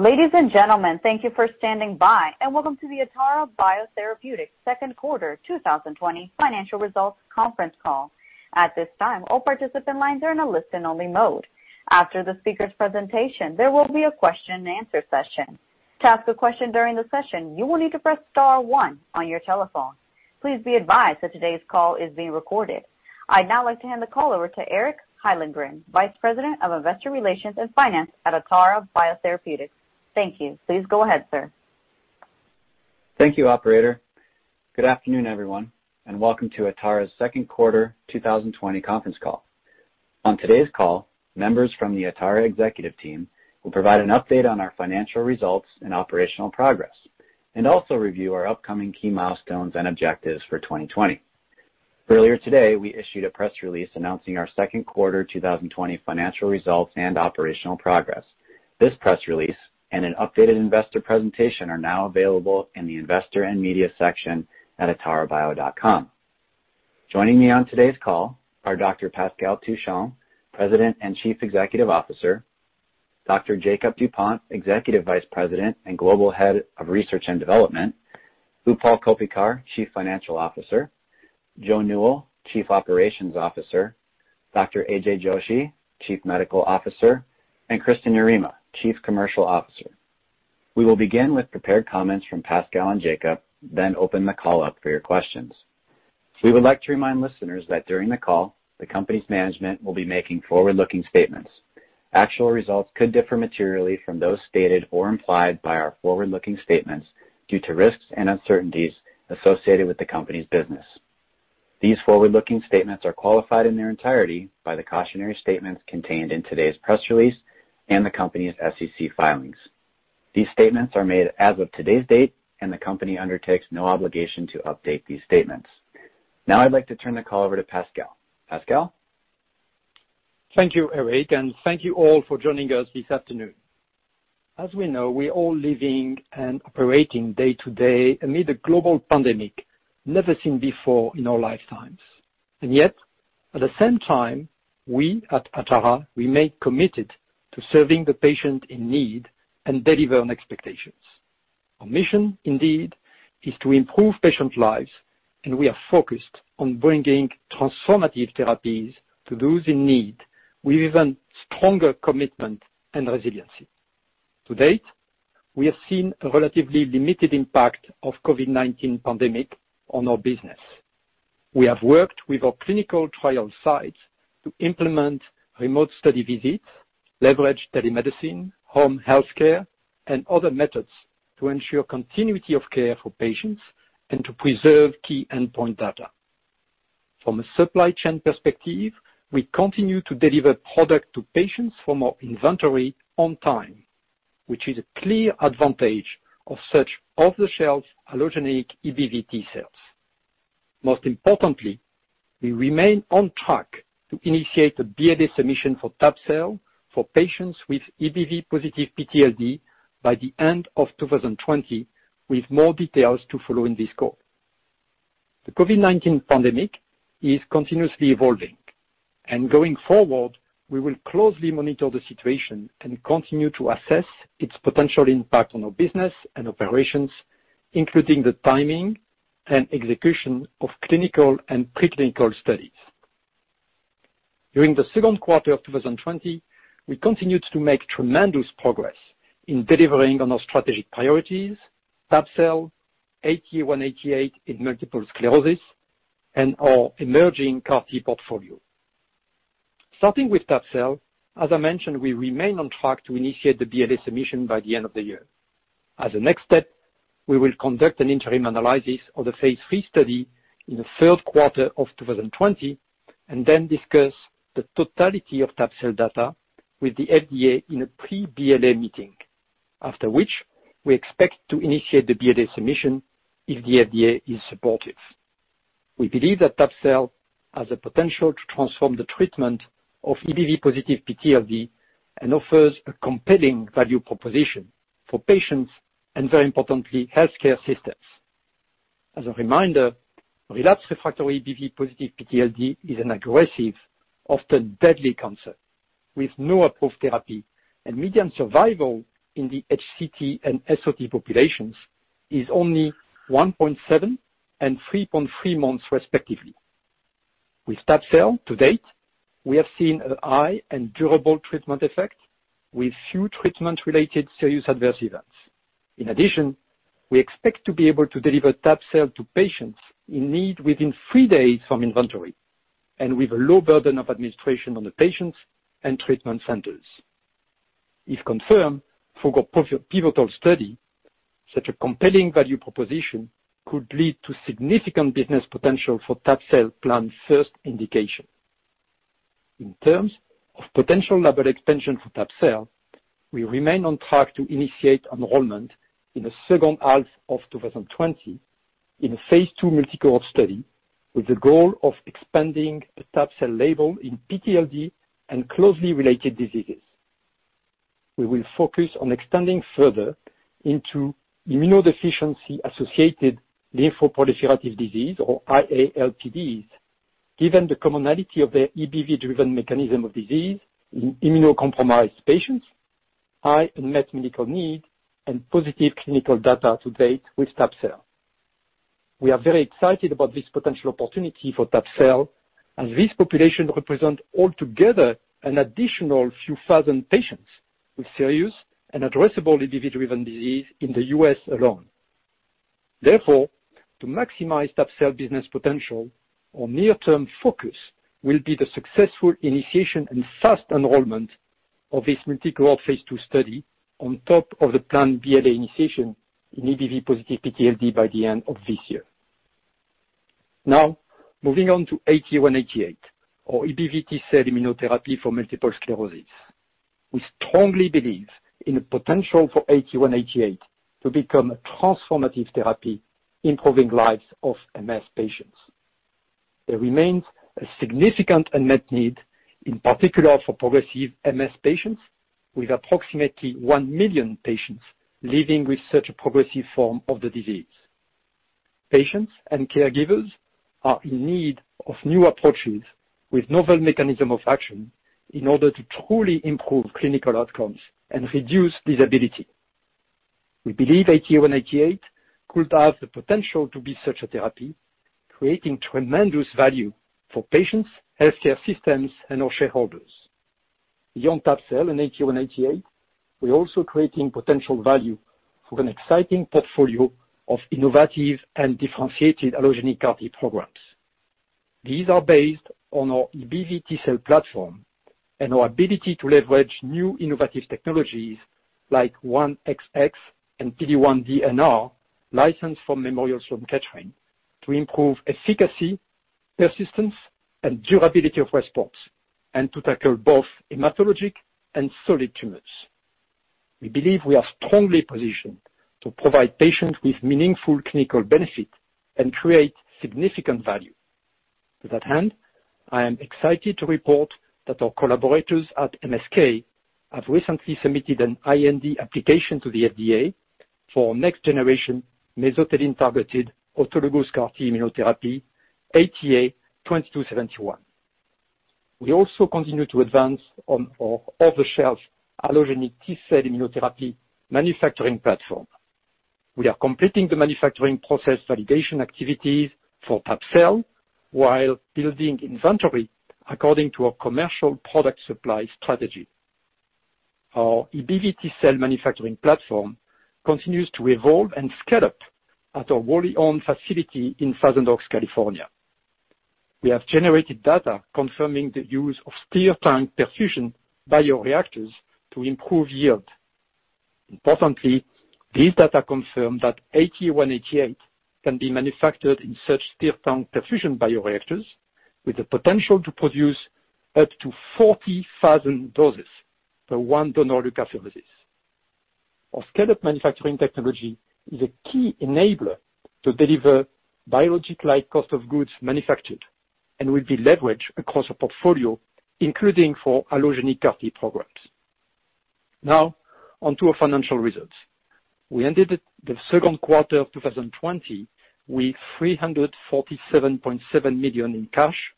Ladies and gentlemen, thank you for standing by and welcome to the Atara Biotherapeutics Second Quarter 2020 Financial Results conference call. At this time, all participant lines are in a listen-only mode. After the speaker's presentation, there will be a question and answer session. To ask a question during the session, you will need to press star one on your telephone. Please be advised that today's call is being recorded. I'd now like to hand the call over to Eric Hyllengren, Vice President of Investor Relations and Finance at Atara Biotherapeutics. Thank you. Please go ahead, sir. Thank you, operator. Good afternoon, everyone, and welcome to Atara's second quarter 2020 conference call. On today's call, members from the Atara executive team will provide an update on our financial results and operational progress, and also review our upcoming key milestones and objectives for 2020. Earlier today, we issued a press release announcing our second quarter 2020 financial results and operational progress. This press release and an updated investor presentation are now available in the investor and media section at atarabio.com. Joining me on today's call are Dr. Pascal Touchon, President and Chief Executive Officer, Dr. Jakob Dupont, Executive Vice President and Global Head of Research and Development, Utpal Koppikar, Chief Financial Officer, Joe Newell, Chief Operations Officer, Dr. AJ Joshi, Chief Medical Officer, and Kristin Yarema, Chief Commercial Officer. We will begin with prepared comments from Pascal and Jakob, then open the call up for your questions. We would like to remind listeners that during the call, the company's management will be making forward-looking statements. Actual results could differ materially from those stated or implied by our forward-looking statements due to risks and uncertainties associated with the company's business. These forward-looking statements are qualified in their entirety by the cautionary statements contained in today's press release and the company's SEC filings. These statements are made as of today's date, and the company undertakes no obligation to update these statements. Now I'd like to turn the call over to Pascal. Pascal? Thank you, Eric, and thank you all for joining us this afternoon. As we know, we're all living and operating day to day amid a global pandemic never seen before in our lifetimes. Yet, at the same time, we at Atara remain committed to serving the patient in need and delivering expectations. Our mission indeed is to improve patient lives, and we are focused on bringing transformative therapies to those in need with even stronger commitment and resiliency. To date, we have seen a relatively limited impact of COVID-19 pandemic on our business. We have worked with our clinical trial sites to implement remote study visits, leverage telemedicine, home healthcare, and other methods to ensure continuity of care for patients and to preserve key endpoint data. From a supply chain perspective, we continue to deliver product to patients from our inventory on time, which is a clear advantage of such off-the-shelf allogeneic EBV T-cells. Most importantly, we remain on track to initiate a BLA submission for tab-cel for patients with EBV positive PTLD by the end of 2020, with more details to follow in this call. The COVID-19 pandemic is continuously evolving. Going forward, we will closely monitor the situation and continue to assess its potential impact on our business and operations, including the timing and execution of clinical and pre-clinical studies. During the second quarter of 2020, we continued to make tremendous progress in delivering on our strategic priorities, tab-cel, ATA188 in multiple sclerosis, and our emerging CAR T portfolio. Starting with tab-cel, as I mentioned, we remain on track to initiate the BLA submission by the end of the year. As a next step, we will conduct an interim analysis of the phase III study in the third quarter of 2020 and then discuss the totality of tab-cel data with the FDA in a pre-BLA meeting, after which we expect to initiate the BLA submission if the FDA is supportive. We believe that tab-cel has the potential to transform the treatment of EBV-positive PTLD and offers a compelling value proposition for patients and, very importantly, healthcare systems. As a reminder, relapse refractory EBV-positive PTLD is an aggressive, often deadly cancer with no approved therapy, and median survival in the HCT and SOT populations is only 1.7 and 3.3 months respectively. With tab-cel to date, we have seen a high and durable treatment effect with few treatment-related serious adverse events. We expect to be able to deliver tab-cel to patients in need within three days from inventory and with a low burden of administration on the patients and treatment centers. If confirmed through a pivotal study, such a compelling value proposition could lead to significant business potential for tab-cel planned first indication. In terms of potential label expansion for tab-cel, we remain on track to initiate enrollment in the second half of 2020 in a phase II multi-cohort study with the goal of expanding the tab-cel label in PTLD and closely related diseases. We will focus on extending further into immunodeficiency-associated lymphoproliferative disease, or IA-LPDs. Given the commonality of the EBV-driven mechanism of disease in immunocompromised patients, high unmet medical need, and positive clinical data to date with tab-cel. We are very excited about this potential opportunity for tab-cel, as this population represents altogether an additional few thousand patients with serious and addressable EBV-driven disease in the U.S. alone. To maximize tab-cel business potential, our near-term focus will be the successful initiation and fast enrollment of this multi-cohort phase II study on top of the planned BLA initiation in EBV positive PTLD by the end of this year. Moving on to ATA188, or EBV T-cell immunotherapy for multiple sclerosis. We strongly believe in the potential for ATA188 to become a transformative therapy, improving lives of MS patients. There remains a significant unmet need, in particular for progressive MS patients, with approximately one million patients living with such a progressive form of the disease. Patients and caregivers are in need of new approaches with novel mechanism of action, in order to truly improve clinical outcomes and reduce disability. We believe ATA188 could have the potential to be such a therapy, creating tremendous value for patients, healthcare systems, and our shareholders. Beyond tab-cel and ATA188, we're also creating potential value for an exciting portfolio of innovative and differentiated allogeneic CAR T programs. These are based on our EBV T-cell platform and our ability to leverage new innovative technologies like 1XX and PD-1 DNR, licensed from Memorial Sloan Kettering, to improve efficacy, persistence, and durability of response, and to tackle both hematologic and solid tumors. We believe we are strongly positioned to provide patients with meaningful clinical benefit and create significant value. With that in hand, I am excited to report that our collaborators at MSK have recently submitted an IND application to the FDA for next generation mesothelin-targeted autologous CAR T immunotherapy, ATA2271. We also continue to advance on our off-the-shelf allogeneic T-cell immunotherapy manufacturing platform. We are completing the manufacturing process validation activities for tab-cel while building inventory according to our commercial product supply strategy. Our EBV T-cell manufacturing platform continues to evolve and scale up at our wholly owned facility in Thousand Oaks, California. We have generated data confirming the use of stirred tank perfusion bioreactors to improve yield. Importantly, these data confirm that ATA188 can be manufactured in such stirred tank perfusion bioreactors with the potential to produce up to 40,000 doses per one donor leukapheresis. Our scale-up manufacturing technology is a key enabler to deliver biologic-like cost of goods manufactured and will be leveraged across our portfolio, including for allogeneic CAR T programs. Now on to our financial results. We ended the second quarter of 2020 with $347.7 million in cash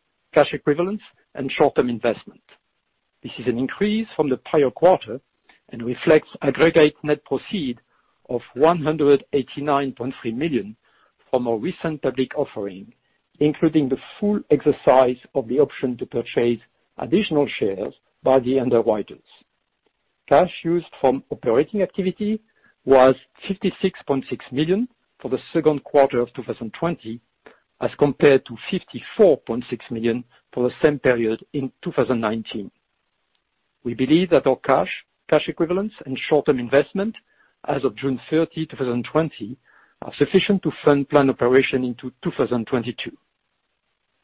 equivalents, and short-term investment. This is an increase from the prior quarter and reflects aggregate net proceed of $189.3 million from our recent public offering, including the full exercise of the option to purchase additional shares by the underwriters. Cash used from operating activity was $56.6 million for the second quarter of 2020 as compared to $54.6 million for the same period in 2019. We believe that our cash equivalents, and short-term investment as of June 30, 2020, are sufficient to fund planned operation into 2022.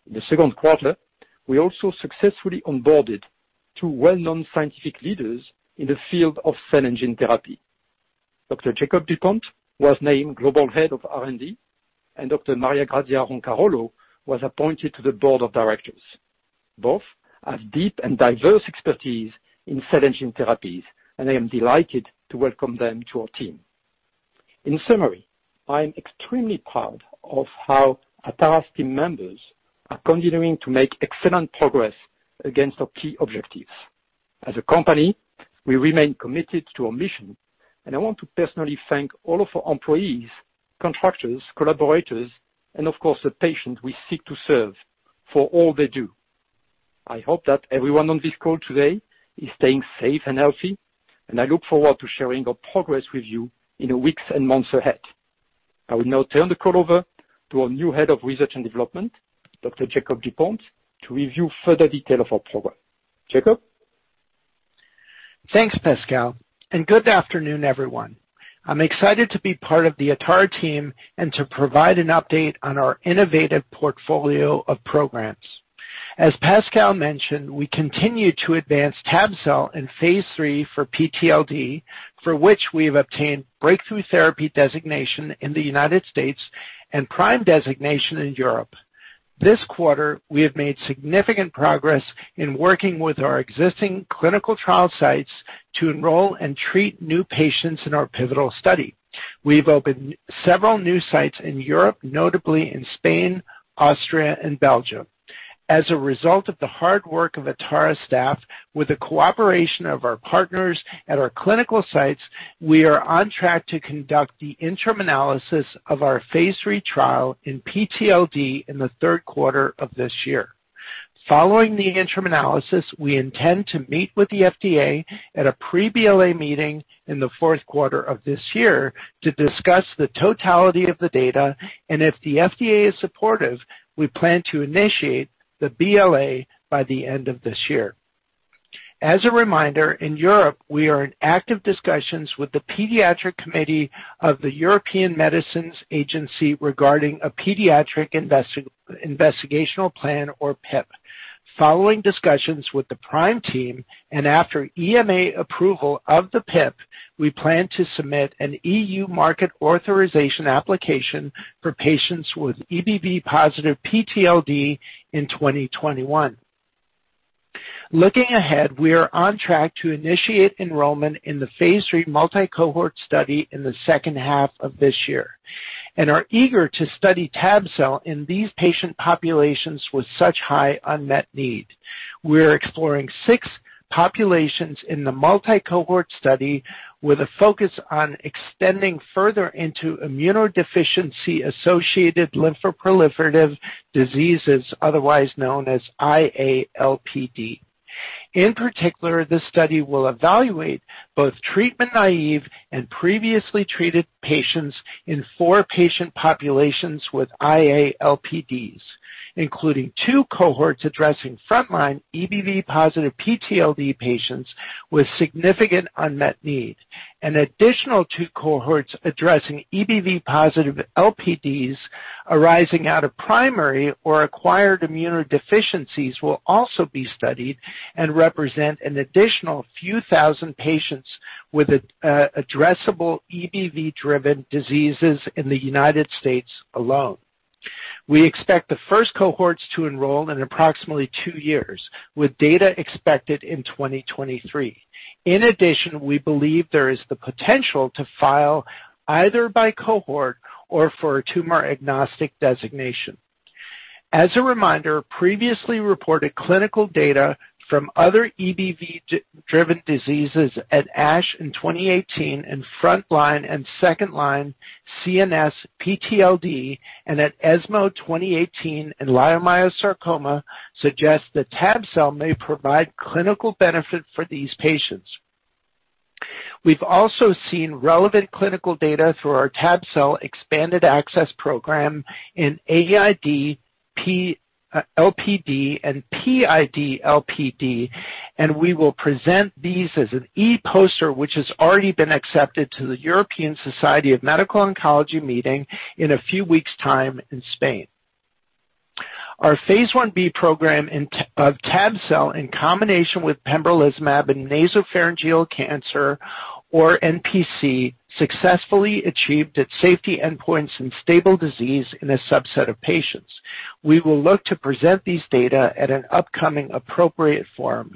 In the second quarter, we also successfully onboarded two well-known scientific leaders in the field of cell and gene therapy. Dr. Jakob Dupont was named Global Head of R&D. Dr. Maria Grazia Roncarolo was appointed to the Board of Directors. Both have deep and diverse expertise in cell and gene therapies. I am delighted to welcome them to our team. In summary, I am extremely proud of how Atara's team members are continuing to make excellent progress against our key objectives. As a company, we remain committed to our mission. I want to personally thank all of our employees, contractors, collaborators, and of course, the patients we seek to serve, for all they do. I hope that everyone on this call today is staying safe and healthy, and I look forward to sharing our progress with you in the weeks and months ahead. I will now turn the call over to our new Head of Research and Development, Dr. Jakob Dupont, to review further detail of our program. Jakob? Thanks, Pascal, good afternoon, everyone. I'm excited to be part of the Atara team and to provide an update on our innovative portfolio of programs. As Pascal mentioned, we continue to advance tab-cel in phase III for PTLD, for which we have obtained breakthrough therapy designation in the U.S. and PRIME designation in Europe. This quarter, we have made significant progress in working with our existing clinical trial sites to enroll and treat new patients in our pivotal study. We've opened several new sites in Europe, notably in Spain, Austria, and Belgium. As a result of the hard work of Atara staff, with the cooperation of our partners at our clinical sites, we are on track to conduct the interim analysis of our phase III trial in PTLD in the third quarter of this year. Following the interim analysis, we intend to meet with the FDA at a pre-BLA meeting in the fourth quarter of this year to discuss the totality of the data, and if the FDA is supportive, we plan to initiate the BLA by the end of this year. As a reminder, in Europe, we are in active discussions with the Paediatric Committee of the European Medicines Agency regarding a pediatric investigational plan, or PIP. Following discussions with the PRIME team, and after EMA approval of the PIP, we plan to submit an EU market authorization application for patients with EBV-positive PTLD in 2021. Looking ahead, we are on track to initiate enrollment in the phase III multi-Cohort study in the second half of this year and are eager to study tab-cel in these patient populations with such high unmet need. We're exploring six populations in the multi-Cohort study with a focus on extending further into immunodeficiency-associated lymphoproliferative diseases, otherwise known as IA-LPDs. In particular, this study will evaluate both treatment-naive and previously treated patients in four patient populations with IA-LPDs, including two Cohorts addressing frontline EBV-positive PTLD patients with significant unmet need. An additional two Cohorts addressing EBV-positive LPDs arising out of primary or acquired immunodeficiencies will also be studied and represent an additional few thousand patients with addressable EBV-driven diseases in the U.S. alone. We expect the first Cohorts to enroll in approximately two years, with data expected in 2023. In addition, we believe there is the potential to file either by Cohort or for a tumor-agnostic designation. As a reminder, previously reported clinical data from other EBV-driven diseases at ASH in 2018 in frontline and second-line CNS PTLD and at ESMO 2018 in leiomyosarcoma suggests that tab-cel may provide clinical benefit for these patients. We've also seen relevant clinical data through our tab-cel expanded access program in AID-LPD and PID-LPD, and we will present these as an e-poster, which has already been accepted to the European Society of Medical Oncology meeting in a few weeks' time in Spain. Our phase I-B program of tab-cel in combination with pembrolizumab in nasopharyngeal cancer, or NPC, successfully achieved its safety endpoints in stable disease in a subset of patients. We will look to present these data at an upcoming appropriate forum.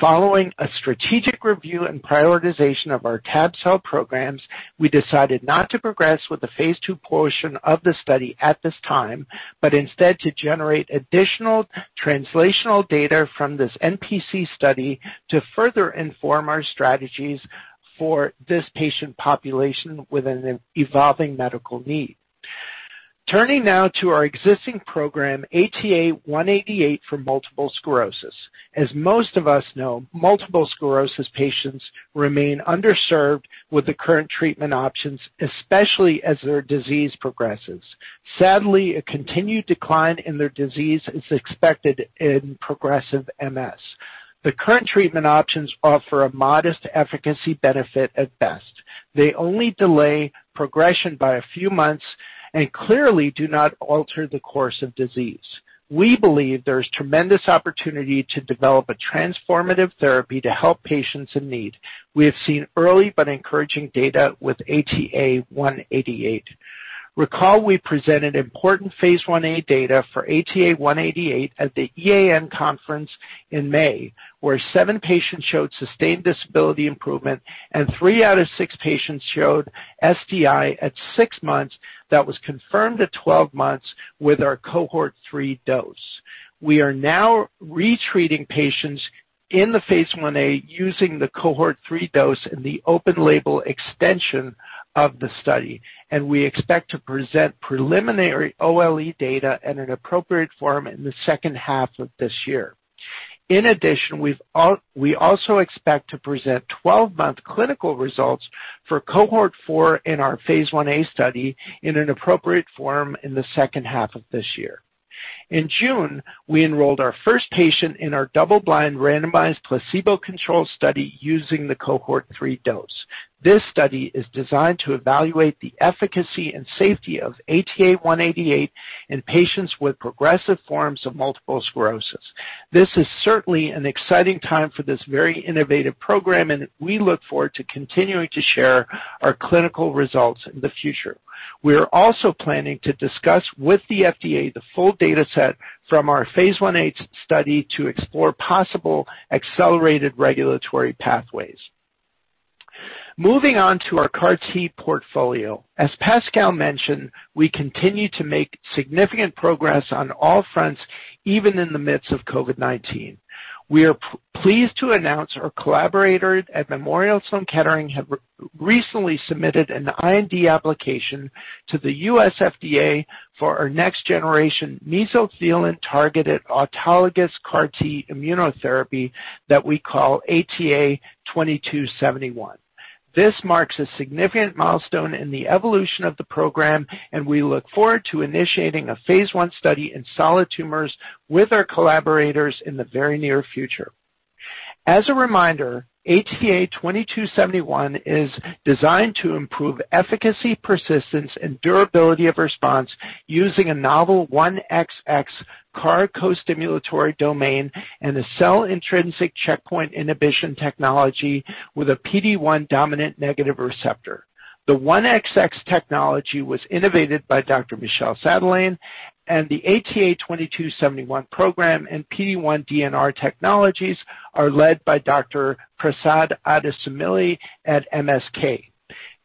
Following a strategic review and prioritization of our tab-cel programs, we decided not to progress with the phase II portion of the study at this time, but instead to generate additional translational data from this NPC study to further inform our strategies for this patient population with an evolving medical need. Turning now to our existing program, ATA188 for multiple sclerosis. As most of us know, multiple sclerosis patients remain underserved with the current treatment options, especially as their disease progresses. Sadly, a continued decline in their disease is expected in progressive MS. The current treatment options offer a modest efficacy benefit at best. They only delay progression by a few months and clearly do not alter the course of disease. We believe there's tremendous opportunity to develop a transformative therapy to help patients in need. We have seen early but encouraging data with ATA188. Recall we presented important phase I-A data for ATA188 at the EAN conference in May, where seven patients showed sustained disability improvement and three out of six patients showed SDI at six months that was confirmed at 12 months with our Cohort 3 dose. We are now re-treating patients in the phase I-A using the Cohort 3 dose in the open label extension of the study, and we expect to present preliminary OLE data in an appropriate forum in the second half of this year. In addition, we also expect to present 12-month clinical results for Cohort 4 in our phase I-A study in an appropriate forum in the second half of this year. In June, we enrolled our first patient in our double-blind, randomized, placebo-controlled study using the Cohort 3 dose. This study is designed to evaluate the efficacy and safety of ATA188 in patients with progressive forms of multiple sclerosis. This is certainly an exciting time for this very innovative program. We look forward to continuing to share our clinical results in the future. We are also planning to discuss with the FDA the full data set from our phase I-A study to explore possible accelerated regulatory pathways. Moving on to our CAR T portfolio. As Pascal mentioned, we continue to make significant progress on all fronts, even in the midst of COVID-19. We are pleased to announce our collaborator at Memorial Sloan Kettering have recently submitted an IND application to the U.S. FDA for our next-generation mesothelin-targeted autologous CAR T immunotherapy that we call ATA2271. This marks a significant milestone in the evolution of the program, and we look forward to initiating a phase I study in solid tumors with our collaborators in the very near future. As a reminder, ATA2271 is designed to improve efficacy, persistence, and durability of response using a novel 1XX CAR co-stimulatory domain and a cell-intrinsic checkpoint inhibition technology with a PD-1 dominant negative receptor. The 1XX technology was innovated by Dr. Michel Sadelain, and the ATA2271 program and PD-1 DNR technologies are led by Dr. Prasad Adusumilli at MSK.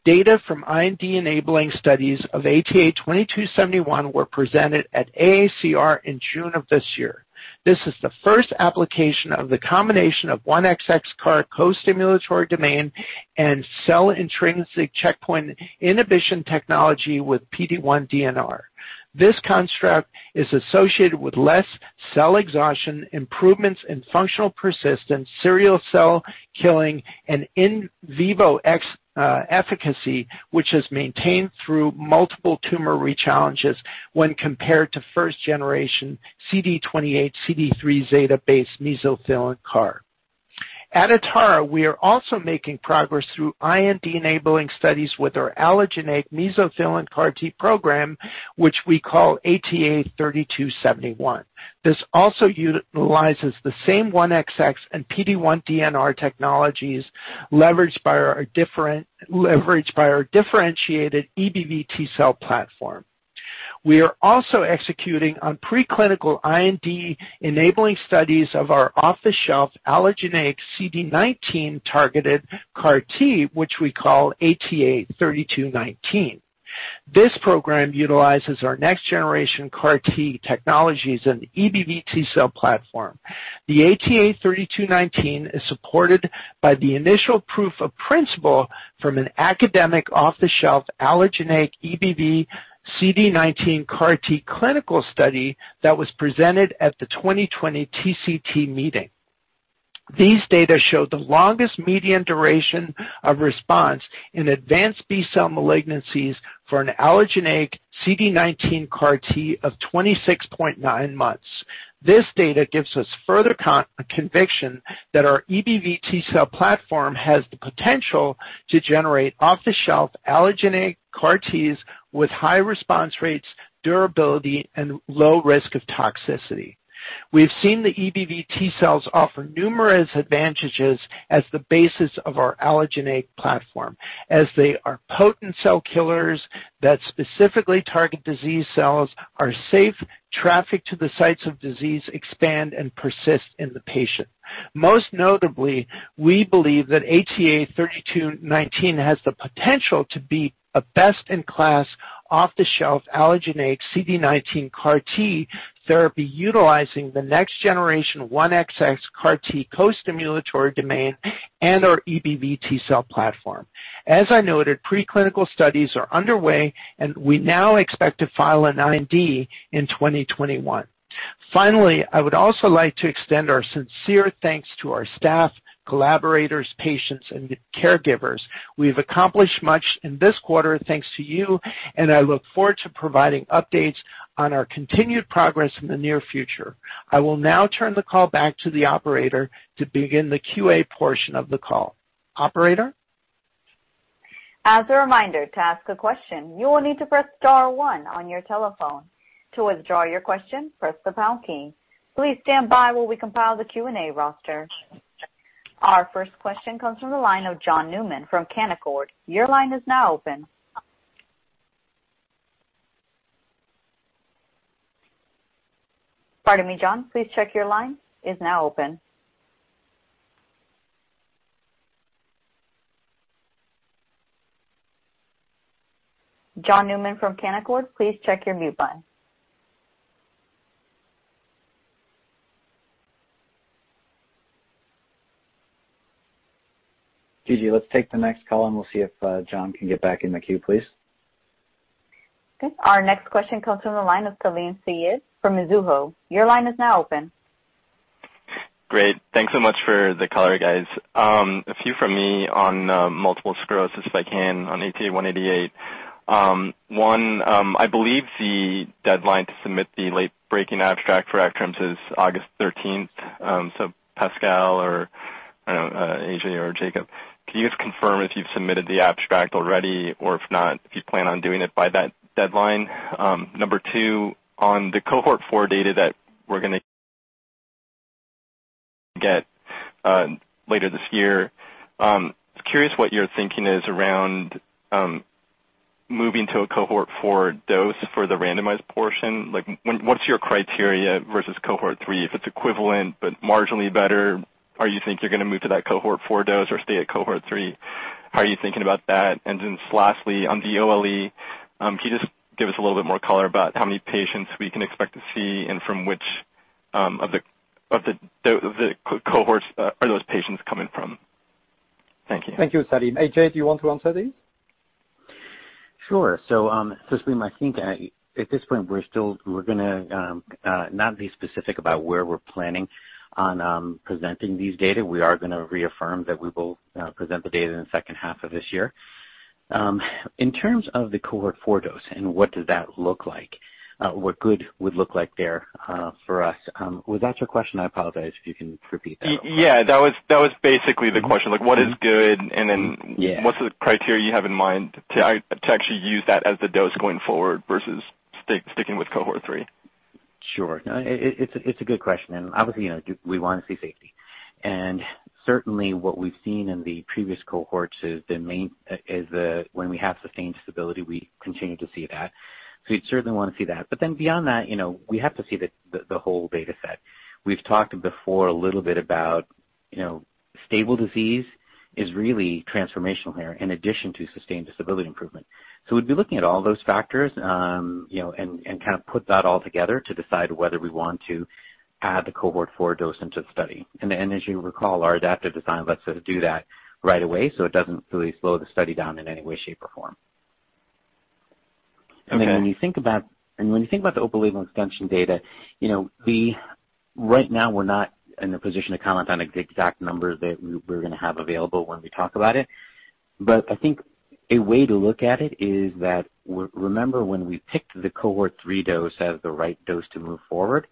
Data from IND-enabling studies of ATA2271 were presented at AACR in June of this year. This is the first application of the combination of 1XX CAR co-stimulatory domain and cell-intrinsic checkpoint inhibition technology with PD-1 DNR. This construct is associated with less cell exhaustion, improvements in functional persistence, serial cell killing, and in vivo efficacy, which is maintained through multiple tumor rechallenges when compared to first generation CD28, CD3ζ-based mesothelin CAR. At Atara, we are also making progress through IND-enabling studies with our allogeneic mesothelin CAR T program, which we call ATA3271. This also utilizes the same 1XX and PD-1 DNR technologies leveraged by our differentiated EBV T-cell platform. We are also executing on preclinical IND-enabling studies of our off-the-shelf allogeneic CD19-targeted CAR T, which we call ATA3219. This program utilizes our next generation CAR T technologies and EBV T-cell platform. The ATA3219 is supported by the initial proof of principle from an academic off-the-shelf allogeneic EBV CD19 CAR T clinical study that was presented at the 2020 TCT meeting. These data showed the longest median duration of response in advanced B-cell malignancies for an allogeneic CD19 CAR T of 26.9 months. This data gives us further conviction that our EBV T-cell platform has the potential to generate off-the-shelf allogeneic CAR Ts with high response rates, durability, and low risk of toxicity. We have seen the EBV T-cells offer numerous advantages as the basis of our allogeneic platform, as they are potent cell killers that specifically target disease cells, are safe, traffic to the sites of disease, expand and persist in the patient. Most notably, we believe that ATA3219 has the potential to be a best-in-class off-the-shelf allogeneic CD19 CAR T therapy utilizing the next generation 1XX CAR T co-stimulatory domain and our EBV T-cell platform. As I noted, preclinical studies are underway, and we now expect to file an IND in 2021. Finally, I would also like to extend our sincere thanks to our staff, collaborators, patients, and caregivers. We've accomplished much in this quarter thanks to you, and I look forward to providing updates on our continued progress in the near future. I will now turn the call back to the operator to begin the QA portion of the call. Operator? As a reminder, to ask a question, you will need to press star one on your telephone. To withdraw your question, press the pound key. Please stand by while we compile the Q&A roster. Our first question comes from the line of John Newman from Canaccord. Your line is now open. Pardon me, John. Please check your line is now open. John Newman from Canaccord, please check your mute button. Gigi, let's take the next call, and we'll see if John can get back in the queue, please. Okay. Our next question comes from the line of Salim Syed from Mizuho. Your line is now open. Great. Thanks so much for the color, guys. A few from me on multiple sclerosis, if I can, on ATA188. One, I believe the deadline to submit the late breaking abstract for ACTRIMS is August 13th. Pascal or AJ or Jakob, can you just confirm if you've submitted the abstract already, or if not, if you plan on doing it by that deadline? Number two, on the Cohort 4 data that we're going to get later this year. I was curious what your thinking is around moving to a Cohort 4 dose for the randomized portion. What's your criteria versus Cohort 3? If it's equivalent but marginally better, or you think you're going to move to that Cohort 4 dose or stay at Cohort 3. How are you thinking about that? Lastly, on the OLE, can you just give us a little bit more color about how many patients we can expect to see and from which of the Cohorts are those patients coming from? Thank you. Thank you, Salim. AJ, do you want to answer these? Sure. Salim, I think at this point, we're going to not be specific about where we're planning on presenting these data. We are going to reaffirm that we will present the data in the second half of this year. In terms of the Cohort four dose and what does that look like, what good would look like there for us, was that your question? I apologize if you can repeat that. Yeah, that was basically the question. Like, what is good? Yeah. What's the criteria you have in mind to actually use that as the dose going forward versus sticking with Cohort 3? Sure. No, it's a good question. Obviously, we want to see safety. Certainly, what we've seen in the previous Cohorts is when we have sustained stability, we continue to see that. We'd certainly want to see that. Beyond that, we have to see the whole data set. We've talked before a little bit about stable disease is really transformational here, in addition to sustained disability improvement. We'd be looking at all those factors and put that all together to decide whether we want to add the Cohort 4 dose into the study. As you recall, our adaptive design lets us do that right away, so it doesn't really slow the study down in any way, shape, or form. Okay. When you think about the open-label extension data, right now we're not in a position to comment on exact numbers that we're going to have available when we talk about it. I think a way to look at it is that remember when we picked the Cohort 3 dose as the right dose to move forward,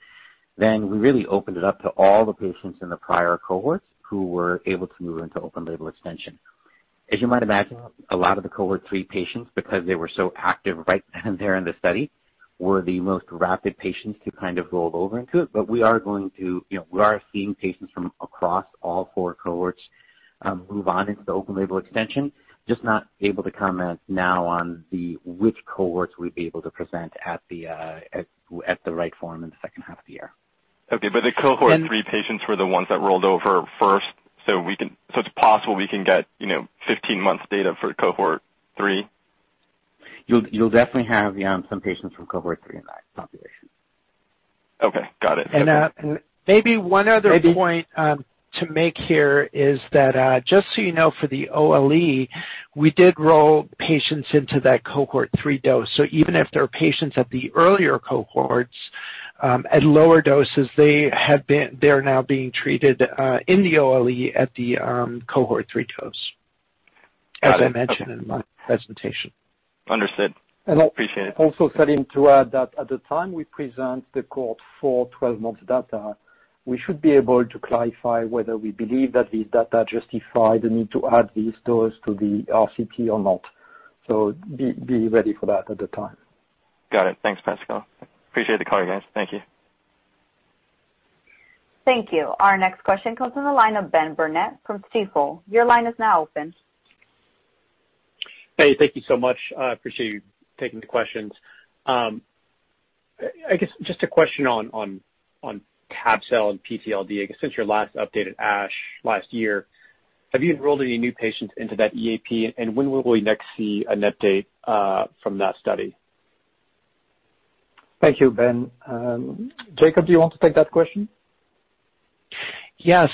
then we really opened it up to all the patients in the prior Cohorts who were able to move into open-label extension. As you might imagine, a lot of the Cohort 3 patients, because they were so active right there in the study, were the most rapid patients to roll over into it. We are seeing patients from across all four Cohorts move on into the open-label extension, just not able to comment now on which Cohorts we'd be able to present at the right forum in the second half of the year. Okay. The Cohort 3 patients were the ones that rolled over first, it's possible we can get 15 months data for Cohort 3? You'll definitely have, yeah, some patients from Cohort 3 in that population. Okay. Got it. Maybe one other point to make here is that, just so you know, for the OLE, we did roll patients into that Cohort 3 dose. Even if there are patients at the earlier Cohorts, at lower doses, they're now being treated in the OLE at the Cohort 3 dose. Got it. As I mentioned in my presentation. Understood. Appreciate it. Also, Salim, to add that at the time we present the Cohort for 12 months data, we should be able to clarify whether we believe that these data justify the need to add these dose to the RCT or not. Be ready for that at the time. Got it. Thanks, Pascal. Appreciate the call, you guys. Thank you. Thank you. Our next question comes from the line of Benjamin Burnett from Stifel. Your line is now open. Hey, thank you so much. I appreciate you taking the questions. I guess just a question on tab-cel and PTLD, I guess since your last update at ASH last year. Have you enrolled any new patients into that EAP, and when will we next see an update from that study? Thank you, Ben. Jakob, do you want to take that question?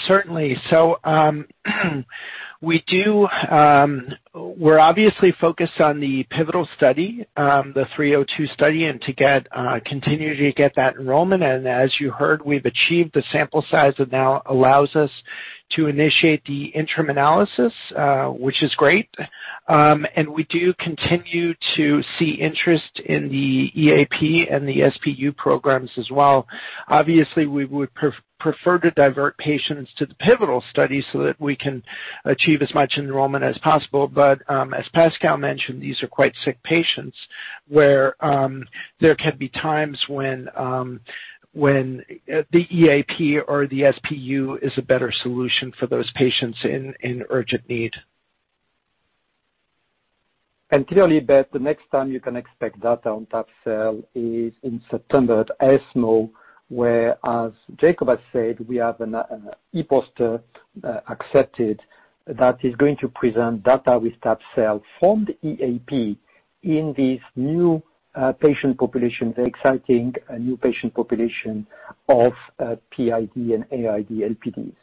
Certainly. We're obviously focused on the pivotal study, the 302 study, and to continue to get that enrollment. As you heard, we've achieved the sample size. It now allows us to initiate the interim analysis, which is great. We do continue to see interest in the EAP and the SPU programs as well. Obviously, we would prefer to divert patients to the pivotal study so that we can achieve as much enrollment as possible. As Pascal mentioned, these are quite sick patients, where there can be times when the EAP or the SPU is a better solution for those patients in urgent need. Clearly, Ben, the next time you can expect data on tab-cel is in September at ESMO, where, as Jakob has said, we have an e-poster accepted that is going to present data with tab-cel from the EAP in this new patient population, the exciting new patient population of PID and AID-LPDs.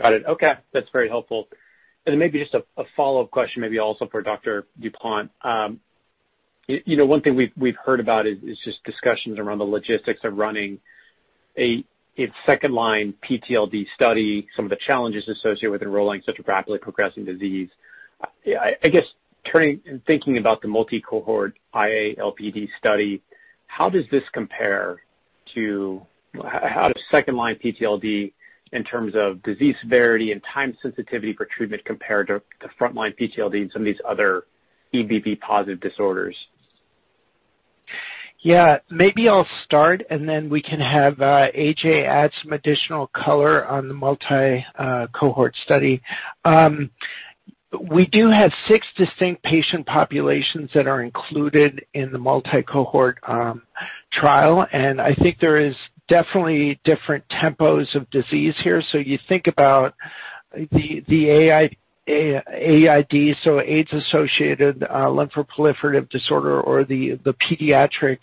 Got it. Okay. That's very helpful. Maybe just a follow-up question maybe also for Dr. Dupont. One thing we've heard about is just discussions around the logistics of running a second-line PTLD study, some of the challenges associated with enrolling such a rapidly progressing disease. I guess, thinking about the multi-Cohort IA-LPD study, how does second-line PTLD, in terms of disease severity and time sensitivity for treatment, compare to frontline PTLD and some of these other EBV positive disorders? Maybe I'll start. We can have AJ add some additional color on the multi-cohort study. We do have six distinct patient populations that are included in the multi-cohort trial. I think there is definitely different tempos of disease here. You think about the AID, AIDS associated lymphoproliferative disorder, or the pediatric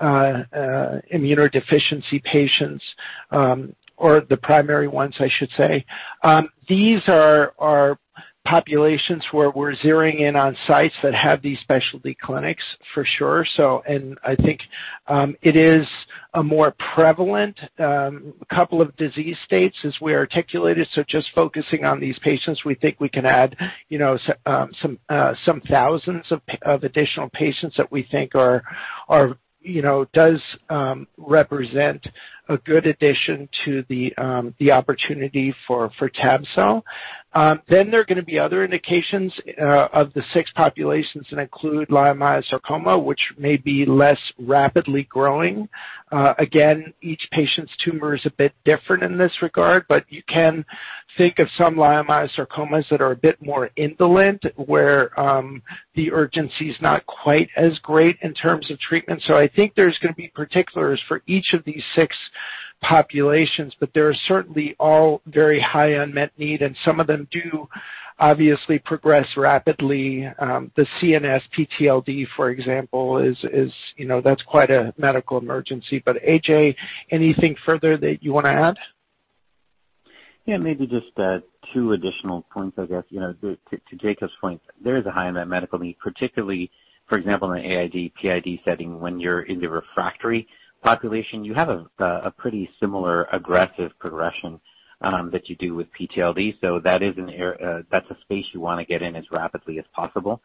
immunodeficiency patients, or the primary ones, I should say. These are populations where we're zeroing in on sites that have these specialty clinics, for sure. I think it is a more prevalent couple of disease states as we articulated. Just focusing on these patients, we think we can add some thousands of additional patients that we think does represent a good addition to the opportunity for tab-cel. There are going to be other indications of the six populations that include leiomyosarcoma, which may be less rapidly growing. Each patient's tumor is a bit different in this regard, but you can think of some leiomyosarcomas that are a bit more indolent, where the urgency's not quite as great in terms of treatment. I think there's going to be particulars for each of these six populations, but they're certainly all very high unmet need, and some of them do obviously progress rapidly. The CNS-PTLD, for example, that's quite a medical emergency. AJ, anything further that you want to add? Yeah, maybe just two additional points, I guess. To Jakob's point, there is a high unmet medical need, particularly, for example, in the AID/PID setting, when you're in the refractory population, you have a pretty similar aggressive progression that you do with PTLD. That's a space you want to get in as rapidly as possible.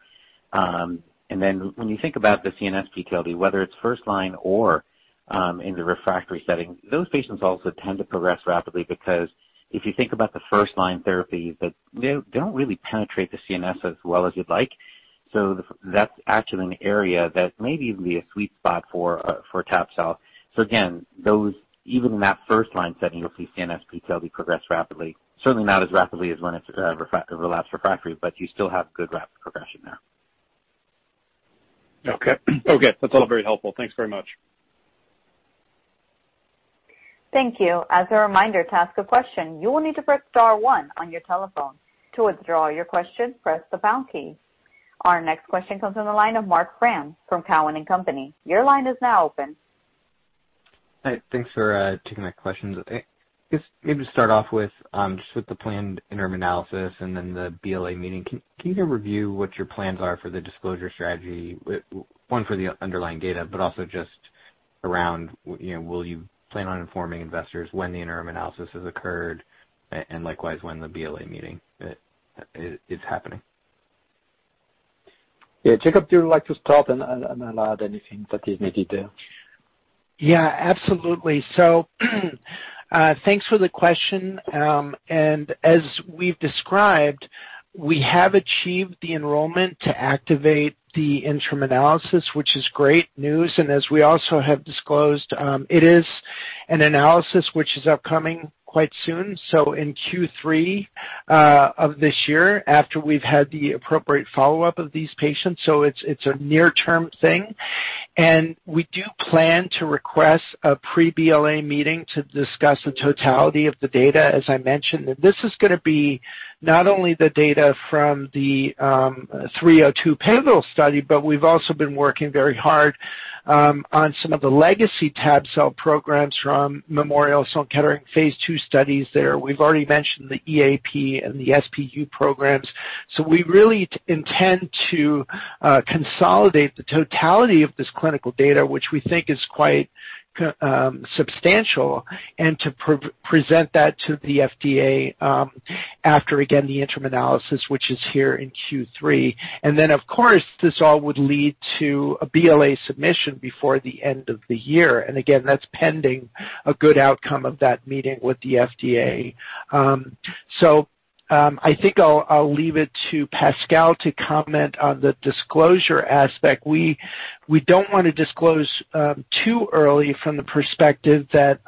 When you think about the CNS-PTLD, whether it's first line or in the refractory setting, those patients also tend to progress rapidly, because if you think about the first line therapies, they don't really penetrate the CNS as well as you'd like. That's actually an area that may even be a sweet spot for tab cell. Again, even in that first line setting, you'll see CNS-PTLD progress rapidly. Certainly not as rapidly as when it's relapsed refractory, but you still have good rapid progression there. Okay. That's all very helpful. Thanks very much. Thank you. As a reminder, to ask a question, you will need to press star one on your telephone. To withdraw your question, press the pound key. Our next question comes from the line of Marc Frahm from Cowen and Company. Your line is now open. Hi, thanks for taking my questions. I guess maybe to start off with just with the planned interim analysis and then the BLA meeting, can you review what your plans are for the disclosure strategy? One for the underlying data, but also just around will you plan on informing investors when the interim analysis has occurred, and likewise, when the BLA meeting is happening? Yeah. Jakob, do you like to start and I'll add anything that is needed there. Yeah, absolutely. Thanks for the question. As we've described, we have achieved the enrollment to activate the interim analysis, which is great news. As we also have disclosed, it is an analysis which is upcoming quite soon. In Q3 of this year, after we've had the appropriate follow-up of these patients. It's a near-term thing. We do plan to request a pre-BLA meeting to discuss the totality of the data, as I mentioned. This is going to be not only the data from the 302 pivotal study, but we've also been working very hard on some of the legacy tab-cel programs from Memorial Sloan Kettering phase II studies there. We've already mentioned the EAP and the SPU programs. We really intend to consolidate the totality of this clinical data, which we think is quite substantial, and to present that to the FDA after, again, the interim analysis, which is here in Q3. Then, of course, this all would lead to a BLA submission before the end of the year. Again, that's pending a good outcome of that meeting with the FDA. I think I'll leave it to Pascal to comment on the disclosure aspect. We don't want to disclose too early from the perspective that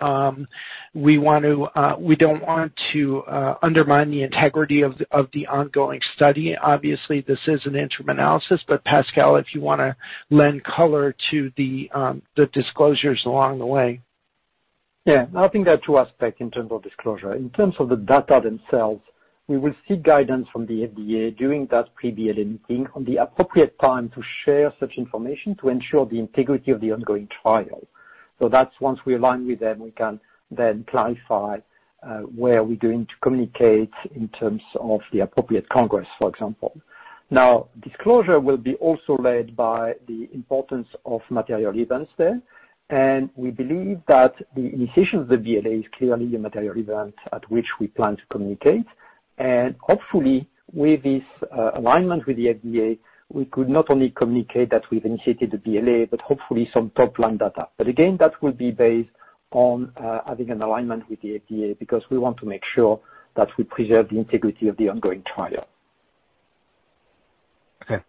we don't want to undermine the integrity of the ongoing study. Obviously, this is an interim analysis, but Pascal, if you want to lend color to the disclosures along the way. Yeah. I think there are two aspects in terms of disclosure. In terms of the data themselves, we will seek guidance from the FDA during that pre-BLA meeting on the appropriate time to share such information to ensure the integrity of the ongoing trial. That's once we align with them, we can then clarify where we're going to communicate in terms of the appropriate congress, for example. Disclosure will be also led by the importance of material events there, and we believe that the initiation of the BLA is clearly a material event at which we plan to communicate. Hopefully, with this alignment with the FDA, we could not only communicate that we've initiated the BLA, but hopefully some top-line data. Again, that will be based on having an alignment with the FDA because we want to make sure that we preserve the integrity of the ongoing trial. Okay.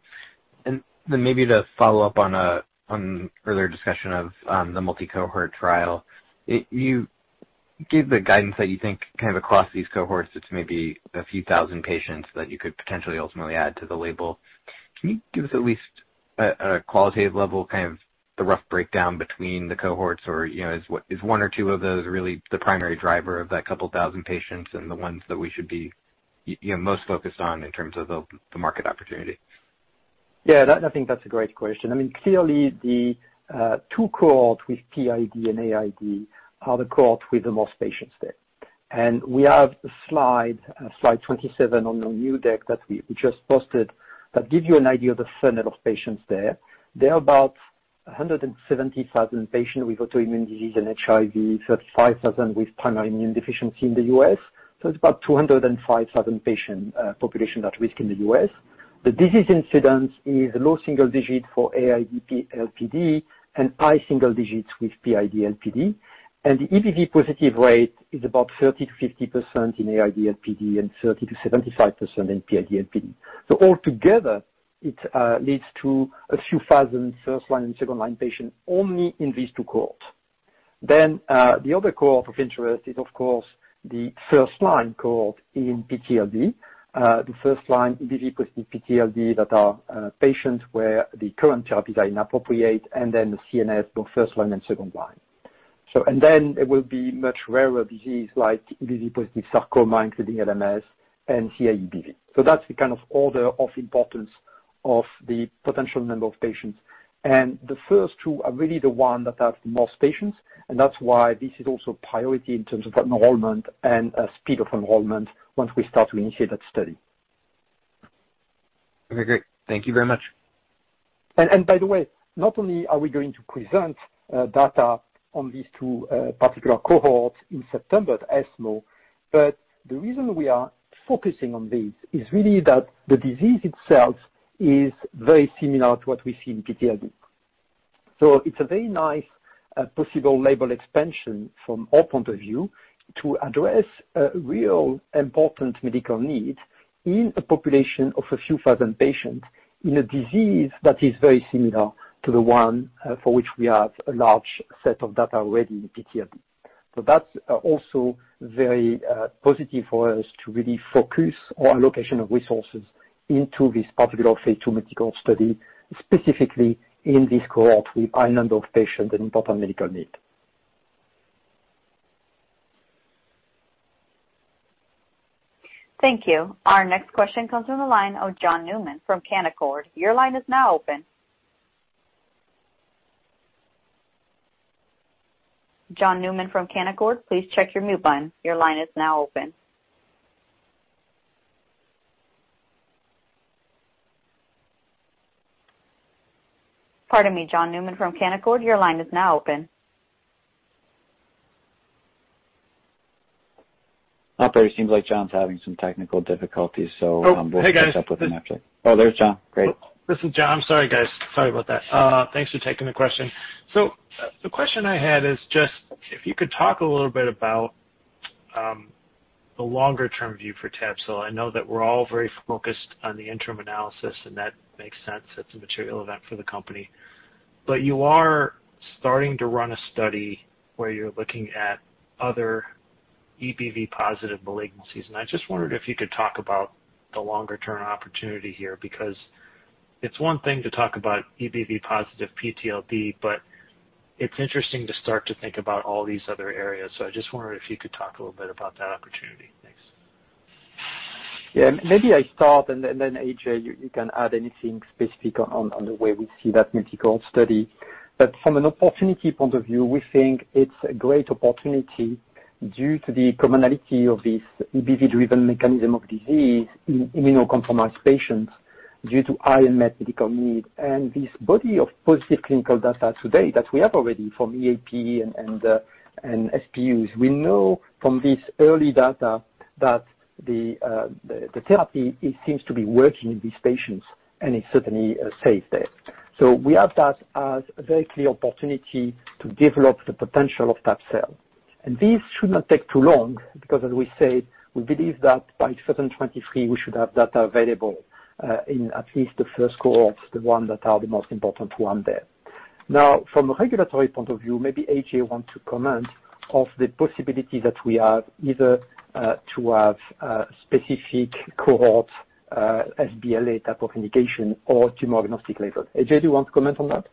Maybe to follow up on earlier discussion of the multi-cohort trial. You gave the guidance that you think kind of across these Cohorts, it's maybe a few thousand patients that you could potentially ultimately add to the label. Can you give us at least a qualitative level, kind of the rough breakdown between the Cohorts? Is one or two of those really the primary driver of that couple thousand patients and the ones that we should be most focused on in terms of the market opportunity? I think that's a great question. Clearly the two Cohorts with PID and AID are the Cohorts with the most patients there. We have a slide 27 on the new deck that we just posted that gives you an idea of the funnel of patients there. There are about 170,000 patients with autoimmune disease and HIV, 35,000 with primary immune deficiency in the U.S. It's about 205,000 patient population at risk in the U.S. The disease incidence is low single-digit for AID-LPD and high single-digit with PID-LPD, and the EBV positive rate is about 30%-50% in AID-LPD and 30%-75% in PID-LPD. Altogether it leads to a few thousand first-line and second-line patients only in these two Cohorts. The other Cohort of interest is of course, the first-line Cohort in PTLD. The first-line EBV positive PTLD that are patients where the current therapies are inappropriate and then the CNS both first line and second line. It will be much rarer disease like EBV positive sarcoma, including LMS and CAEBV. That's the kind of order of importance of the potential number of patients. The first two are really the one that have the most patients, and that's why this is also priority in terms of enrollment and speed of enrollment once we start to initiate that study. Okay, great. Thank you very much. By the way, not only are we going to present data on these two particular Cohorts in September at ESMO, but the reason we are focusing on these is really that the disease itself is very similar to what we see in PTLD. It's a very nice possible label expansion from our point of view to address a real important medical need in a population of a few thousand patients in a disease that is very similar to the one for which we have a large set of data already in PTLD. That's also very positive for us to really focus our allocation of resources into this particular phase II medical study, specifically in this Cohort with high number of patients and important medical need. Thank you. Our next question comes from the line of John Newman from Canaccord. Your line is now open. John Newman from Canaccord, please check your mute button. Your line is now open. Pardon me, John Newman from Canaccord, your line is now open. Operator, seems like John's having some technical difficulties. Oh, hey guys. We'll pick this up with him after. Oh, there's John. Great. This is John. I'm sorry, guys. Sorry about that. Thanks for taking the question. The question I had is just if you could talk a little bit about the longer-term view for tab-cel. I know that we're all very focused on the interim analysis, and that makes sense. That's a material event for the company. You are starting to run a study where you're looking at other EBV-positive malignancies, and I just wondered if you could talk about the longer-term opportunity here, because it's one thing to talk about EBV-positive PTLD, but it's interesting to start to think about all these other areas. I just wondered if you could talk a little bit about that opportunity. Thanks. Yeah. Maybe I start and then AJ, you can add anything specific on the way we see that medical study. From an opportunity point of view, we think it's a great opportunity due to the commonality of this EBV-driven mechanism of disease in immunocompromised patients due to high unmet medical need. This body of positive clinical data today that we have already from EAP and SPUs, we know from this early data that the therapy seems to be working in these patients, and it's certainly safe there. We have that as a very clear opportunity to develop the potential of tab-cel. This should not take too long because as we said, we believe that by 2023 we should have data available in at least the first Cohorts, the one that are the most important one there. Now from a regulatory point of view, maybe AJ want to comment of the possibility that we have either to have specific Cohort, sBLA type of indication or tumor-agnostic label. AJ, do you want to comment on that?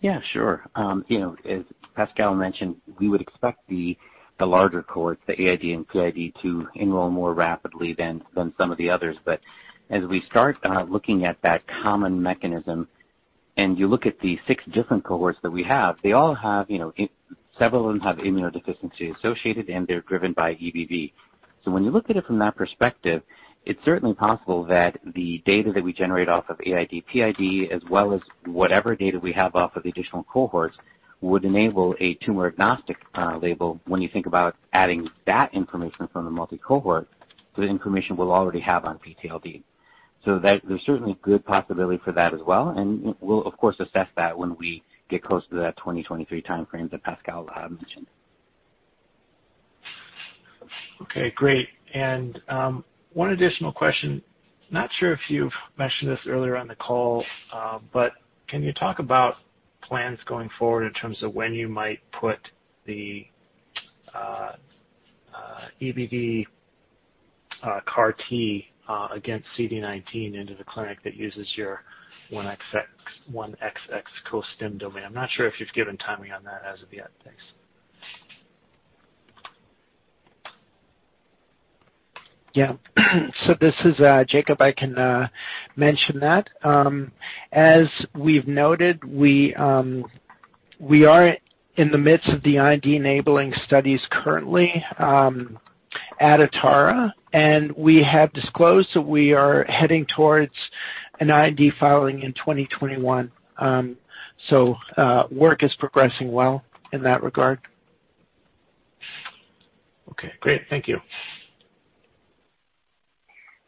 Yeah, sure. As Pascal mentioned, we would expect the larger Cohorts, the AID and PID to enroll more rapidly than some of the others. As we start looking at that common mechanism and you look at the six different Cohorts that we have, several of them have immunodeficiency associated, and they're driven by EBV. When you look at it from that perspective, it's certainly possible that the data that we generate off of AID, PID as well as whatever data we have off of the additional Cohorts would enable a tumor-agnostic label. When you think about adding that information from the multi-cohort to the information we'll already have on PTLD. There's certainly good possibility for that as well, and we'll of course assess that when we get close to that 2023 timeframe that Pascal mentioned. Okay, great. One additional question. Not sure if you've mentioned this earlier on the call, can you talk about plans going forward in terms of when you might put the EBV CAR T against CD19 into the clinic that uses your 1XX costim domain? I'm not sure if you've given timing on that as of yet. Thanks. Yeah. This is Jakob. I can mention that. As we've noted, we are in the midst of the IND-enabling studies currently at Atara, and we have disclosed that we are heading towards an IND filing in 2021. Work is progressing well in that regard. Okay, great. Thank you.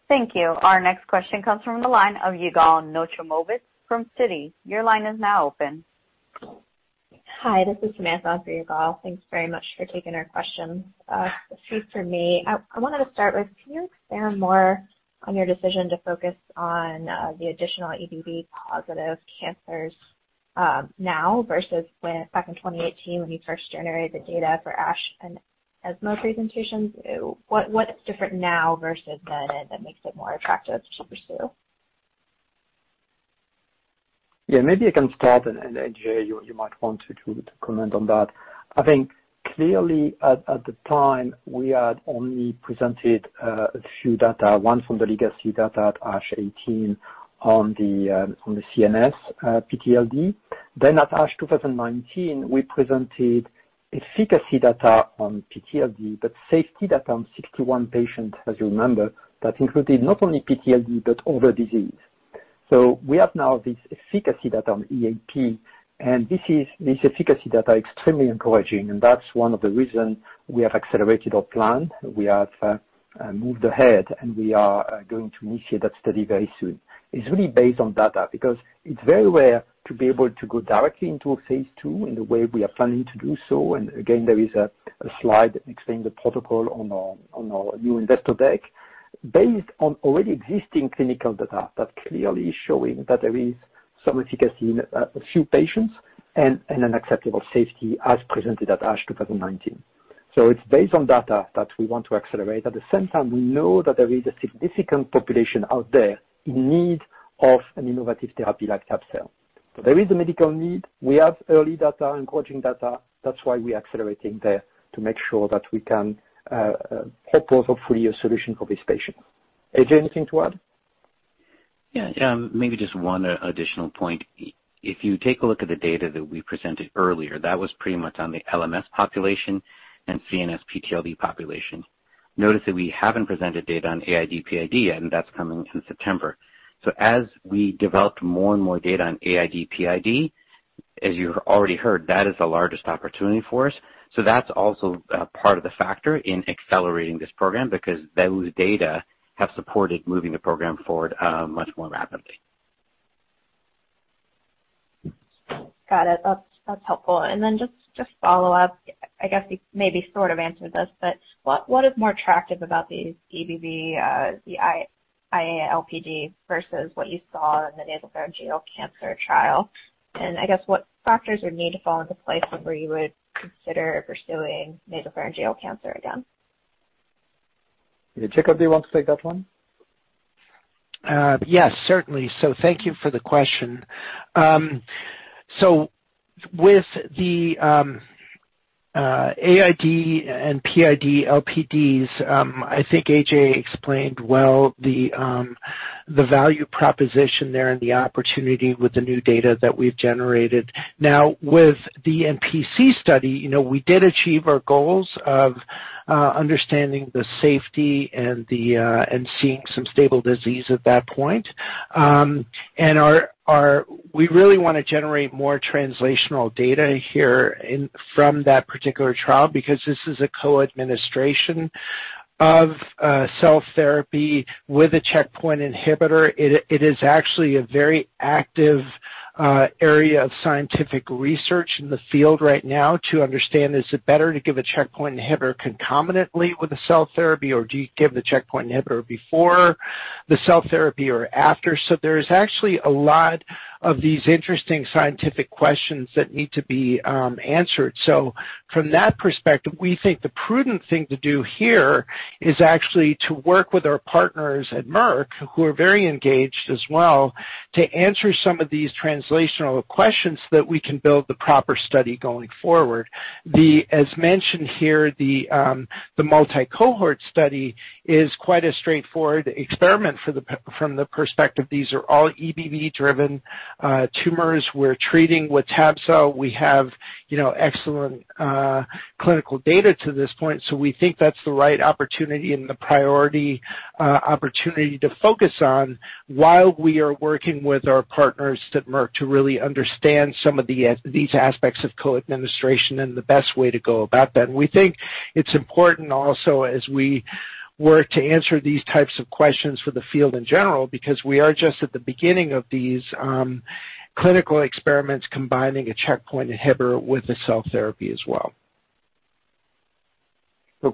Thank you. Our next question comes from the line of Yigal Nochomovitz from Citi. Your line is now open. Hi, this is Samantha for Yigal. Thanks very much for taking our questions. Two for me. I wanted to start with, can you expand more on your decision to focus on the additional EBV-positive cancers now versus back in 2018 when you first generated the data for ASH and ESMO presentations? What's different now versus then that makes it more attractive to pursue? Maybe I can start, and, AJ, you might want to comment on that. I think clearly at the time, we had only presented a few data, one from the legacy data at ASH 2018 on the CNS PTLD. At ASH 2019, we presented efficacy data on PTLD, but safety data on 61 patients, as you remember, that included not only PTLD, but other disease. We have now this efficacy data on EAP, and this efficacy data extremely encouraging, and that's one of the reason we have accelerated our plan. We have moved ahead, and we are going to initiate that study very soon. It's really based on data, because it's very rare to be able to go directly into a phase II in the way we are planning to do so. Again, there is a slide explaining the protocol on our new investor deck based on already existing clinical data that clearly is showing that there is some efficacy in a few patients and an acceptable safety as presented at ASH 2019. It's based on data that we want to accelerate. At the same time, we know that there is a significant population out there in need of an innovative therapy like tab-cel. There is a medical need. We have early data, encouraging data. That's why we accelerating there to make sure that we can hope for hopefully a solution for this patient. AJ, anything to add? Yeah. Maybe just one additional point. If you take a look at the data that we presented earlier, that was pretty much on the LMS population and CNS PTLD population. Notice that we haven't presented data on AID/PID. That's coming in September. As we developed more and more data on AID/PID, as you've already heard, that is the largest opportunity for us. That's also part of the factor in accelerating this program because those data have supported moving the program forward much more rapidly. Got it. That's helpful. Just follow up, I guess you maybe sort of answered this, but what is more attractive about these EBV, the IA-LPD versus what you saw in the nasopharyngeal cancer trial? I guess what factors would need to fall into place where you would consider pursuing nasopharyngeal cancer again? Jakob, do you want to take that one? Yes, certainly. Thank you for the question. With the AID and PID LPDs, I think AJ explained well the value proposition there and the opportunity with the new data that we've generated. Now with the NPC study, we did achieve our goals of understanding the safety and seeing some stable disease at that point. We really want to generate more translational data here from that particular trial because this is a co-administration of cell therapy with a checkpoint inhibitor. It is actually a very active area of scientific research in the field right now to understand, is it better to give a checkpoint inhibitor concomitantly with a cell therapy, or do you give the checkpoint inhibitor before the cell therapy or after? There is actually a lot of these interesting scientific questions that need to be answered. From that perspective, we think the prudent thing to do here is actually to work with our partners at Merck, who are very engaged as well, to answer some of these translational questions so that we can build the proper study going forward. As mentioned here, the multi-cohort study is quite a straightforward experiment from the perspective these are all EBV-driven tumors we're treating with tab. We have excellent clinical data to this point. We think that's the right opportunity and the priority opportunity to focus on while we are working with our partners at Merck to really understand some of these aspects of co-administration and the best way to go about that. We think it's important also as we were to answer these types of questions for the field in general, because we are just at the beginning of these clinical experiments combining a checkpoint inhibitor with a cell therapy as well.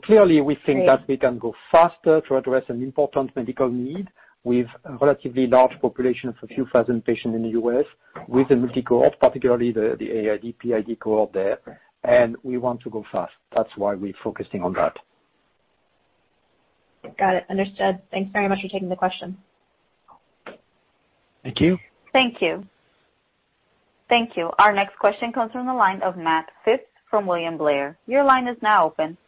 Clearly we think that we can go faster to address an important medical need with a relatively large population of a few thousand patients in the U.S. with a multi-cohort, particularly the AID/PID Cohort there. We want to go fast. That's why we're focusing on that. Got it. Understood. Thanks very much for taking the question. Thank you. Thank you. Thank you. Our next question comes from the line of Matt Phipps from William Blair. Your line is now open.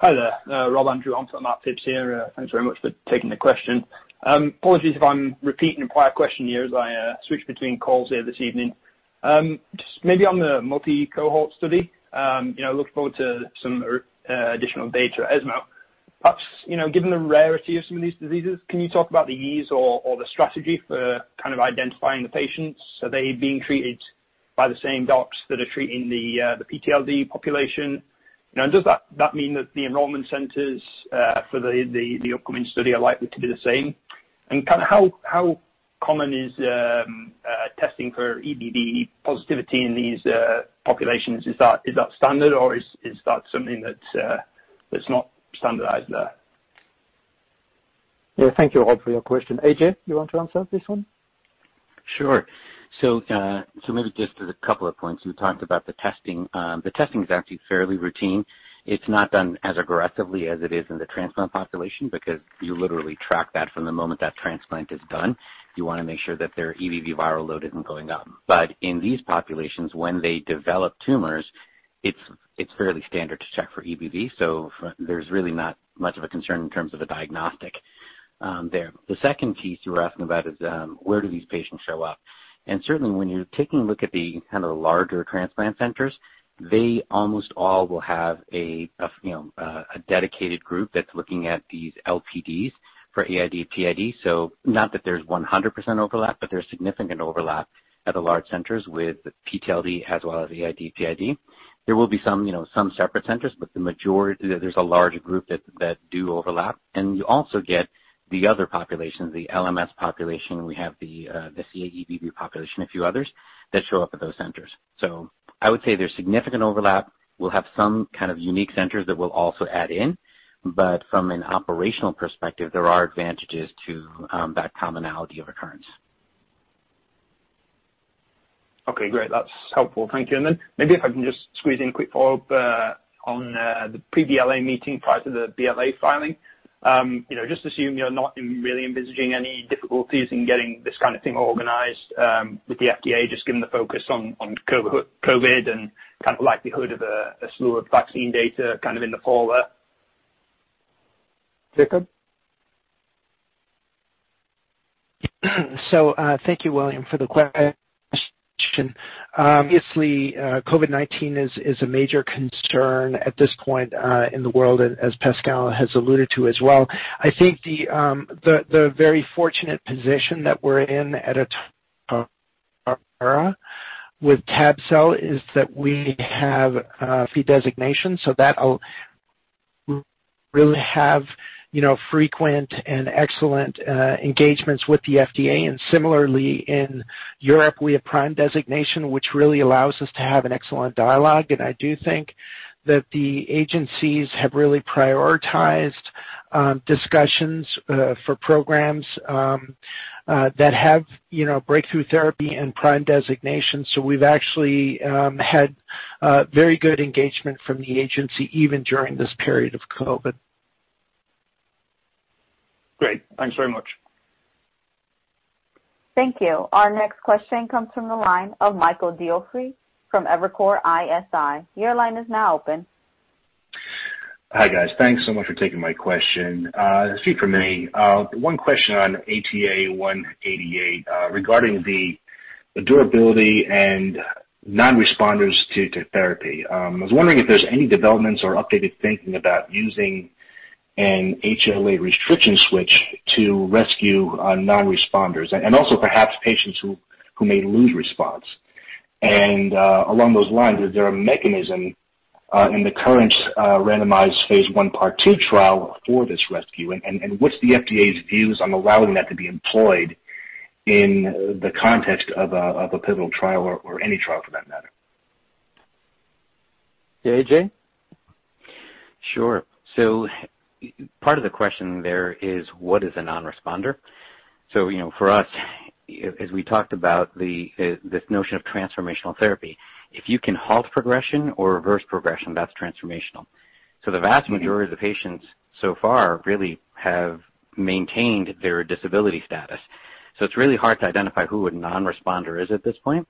Hi there, Rob Andrew on for Matt Phipps here. Thanks very much for taking the question. Apologies if I'm repeating a prior question here as I switch between calls here this evening. Just maybe on the multi-Cohort study, looking forward to some additional data at ESMO. Perhaps, given the rarity of some of these diseases, can you talk about the ease or the strategy for kind of identifying the patients? Are they being treated by the same docs that are treating the PTLD population? Does that mean that the enrollment centers for the upcoming study are likely to be the same? How common is testing for EBV positivity in these populations? Is that standard, or is that something that's not standardized there? Yeah. Thank you, Rob, for your question. AJ, you want to answer this one? Sure. Maybe just as a couple of points, we talked about the testing. The testing is actually fairly routine. It's not done as aggressively as it is in the transplant population because you literally track that from the moment that transplant is done. You want to make sure that their EBV viral load isn't going up. In these populations, when they develop tumors, it's fairly standard to check for EBV, so there's really not much of a concern in terms of a diagnostic there. The second piece you were asking about is where do these patients show up? Certainly when you're taking a look at the larger transplant centers, they almost all will have a dedicated group that's looking at these LPDs for AID/PID. Not that there's 100% overlap, but there's significant overlap at the large centers with PTLD as well as AID/PID. There will be some separate centers, but there's a larger group that do overlap. You also get the other populations, the LMS population, and we have the CA-EBV population, a few others, that show up at those centers. I would say there's significant overlap. We'll have some kind of unique centers that we'll also add in. From an operational perspective, there are advantages to that commonality of occurrence. Okay, great. That's helpful. Thank you. Maybe if I can just squeeze in a quick follow-up on the pre-BLA meeting prior to the BLA filing. Just assume you're not really envisaging any difficulties in getting this kind of thing organized with the FDA, just given the focus on COVID and kind of likelihood of a slew of vaccine data in the fall there. Jakob? Thank you, [William] for the question. Obviously, COVID-19 is a major concern at this point in the world as Pascal has alluded to as well. I think the very fortunate position that we're in at Atara with tabelecleucel is that we have a few designations, so that'll really have frequent and excellent engagements with the FDA. And similarly, in Europe, we have PRIME designation, which really allows us to have an excellent dialogue. And I do think that the agencies have really prioritized discussions for programs that have breakthrough therapy and PRIME designations. We've actually had very good engagement from the agency even during this period of COVID. Great. Thanks very much. Thank you. Our next question comes from the line of Michael DiFiore from Evercore ISI. Your line is now open. Hi guys. Thanks so much for taking my question. There's a few from me. One question on ATA188 regarding the durability and non-responders to therapy. I was wondering if there's any developments or updated thinking about using an HLA restriction switch to rescue non-responders, and also perhaps patients who may lose response. Along those lines, is there a mechanism in the current randomized phase I, part two trial for this rescue? What's the FDA's views on allowing that to be employed in the context of a pivotal trial or any trial for that matter? Yeah, AJ? Sure. Part of the question there is what is a non-responder? For us, as we talked about this notion of transformational therapy, if you can halt progression or reverse progression, that's transformational. The vast majority of the patients so far really have maintained their disability status. It's really hard to identify who a non-responder is at this point.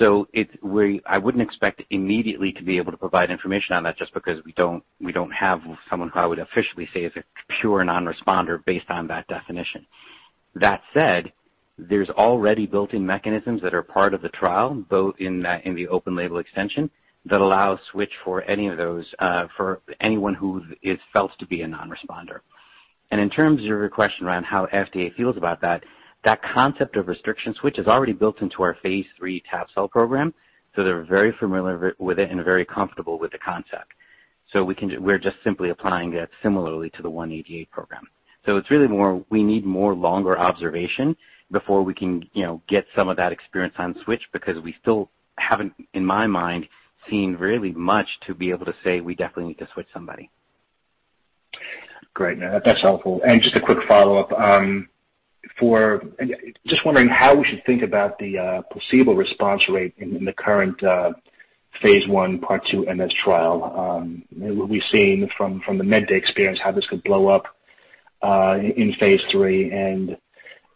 I wouldn't expect immediately to be able to provide information on that just because we don't have someone who I would officially say is a pure non-responder based on that definition. That said, there's already built-in mechanisms that are part of the trial, both in the open label extension, that allow switch for any of those for anyone who is felt to be a non-responder. In terms of your question around how FDA feels about that concept of restriction switch is already built into our phase III tab-cel program, so they're very familiar with it and very comfortable with the concept. We're just simply applying that similarly to the 188 program. It's really more, we need more longer observation before we can get some of that experience on switch because we still haven't, in my mind, seen really much to be able to say we definitely need to switch somebody. Great. No, that's helpful. Just a quick follow-up. Just wondering how we should think about the placebo response rate in the current phase I, Part 2 MS trial. We've seen from the MedDay experience how this could blow up in phase III.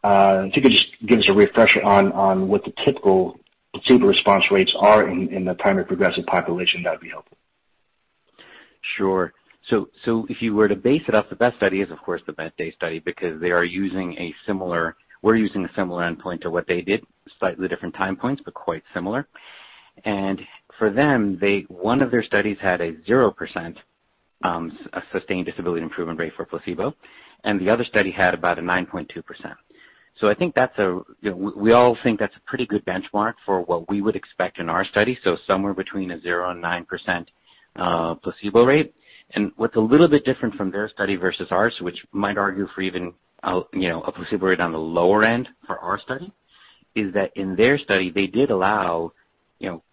If you could just give us a refresher on what the typical placebo response rates are in the primary progressive population, that'd be helpful. Sure. If you were to base it off the best study is, of course, the MedDay study because we're using a similar endpoint to what they did. Slightly different time points, quite similar. For them, one of their studies had a 0% sustained disability improvement rate for placebo, and the other study had about a 9.2%. We all think that's a pretty good benchmark for what we would expect in our study, somewhere between a 0% and 9% placebo rate. What's a little bit different from their study versus ours, which might argue for even a placebo rate on the lower end for our study, is that in their study, they did allow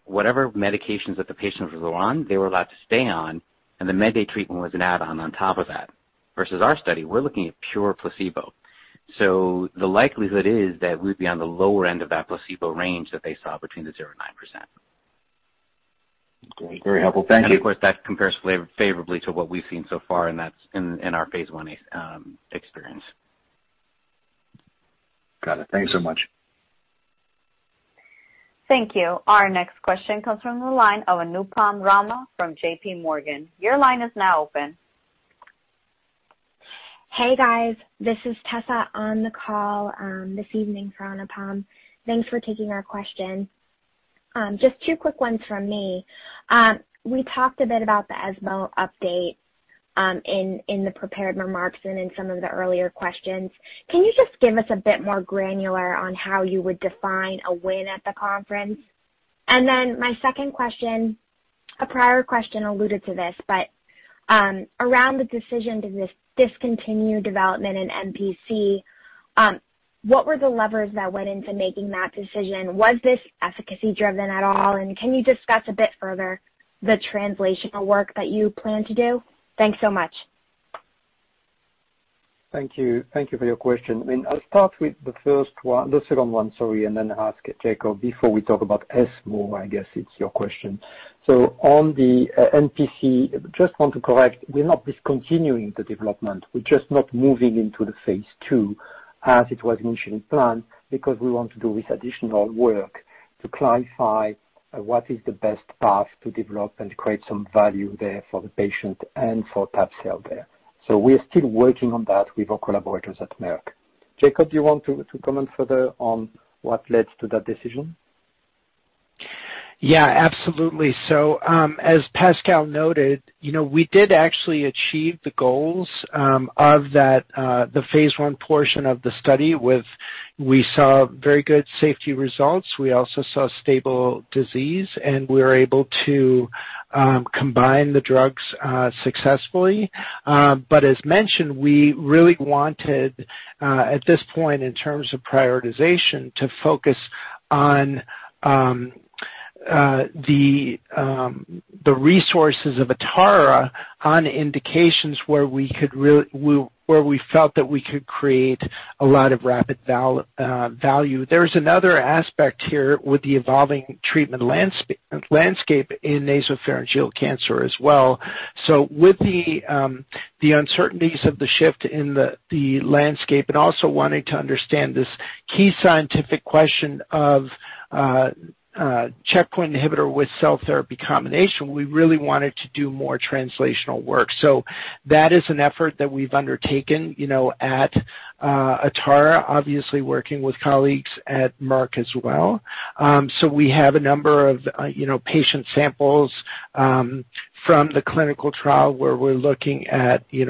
whatever medications that the patients were on, they were allowed to stay on, and the MedDay treatment was an add-on on top of that. Versus our study, we're looking at pure placebo. The likelihood is that we'd be on the lower end of that placebo range that they saw between the 0% and 9%. Great. Very helpful. Thank you. Of course, that compares favorably to what we've seen so far in our phase I experience. Got it. Thank you so much. Thank you. Our next question comes from the line of Anupam Rama from J.P. Morgan. Your line is now open. Hey, guys. This is Tessa on the call this evening for Anupam. Thanks for taking our question. Just two quick ones from me. We talked a bit about the ESMO update in the prepared remarks and in some of the earlier questions. Can you just give us a bit more granular on how you would define a win at the conference? My second question, a prior question alluded to this, but around the decision to discontinue development in NPC, what were the levers that went into making that decision? Was this efficacy driven at all, and can you discuss a bit further the translational work that you plan to do? Thanks so much. Thank you. Thank you for your question. I mean, I'll start with the second one, ask Jakob before we talk about ESMO, I guess it's your question. On the NPC, just want to correct, we're not discontinuing the development. We're just not moving into the phase II as it was initially planned because we want to do this additional work to clarify what is the best path to develop and create some value there for the patient and for tab-cel there. We are still working on that with our collaborators at Merck. Jakob, do you want to comment further on what led to that decision? Absolutely. As Pascal noted, we did actually achieve the goals of the phase I portion of the study. We saw very good safety results. We also saw stable disease, and we were able to combine the drugs successfully. As mentioned, we really wanted at this point, in terms of prioritization, to focus on the resources of Atara on indications where we felt that we could create a lot of rapid value. There's another aspect here with the evolving treatment landscape in nasopharyngeal cancer as well. With the uncertainties of the shift in the landscape and also wanting to understand this key scientific question of checkpoint inhibitor with cell therapy combination, we really wanted to do more translational work. That is an effort that we've undertaken at Atara, obviously working with colleagues at Merck as well. We have a number of patient samples from the clinical trial where we're looking at the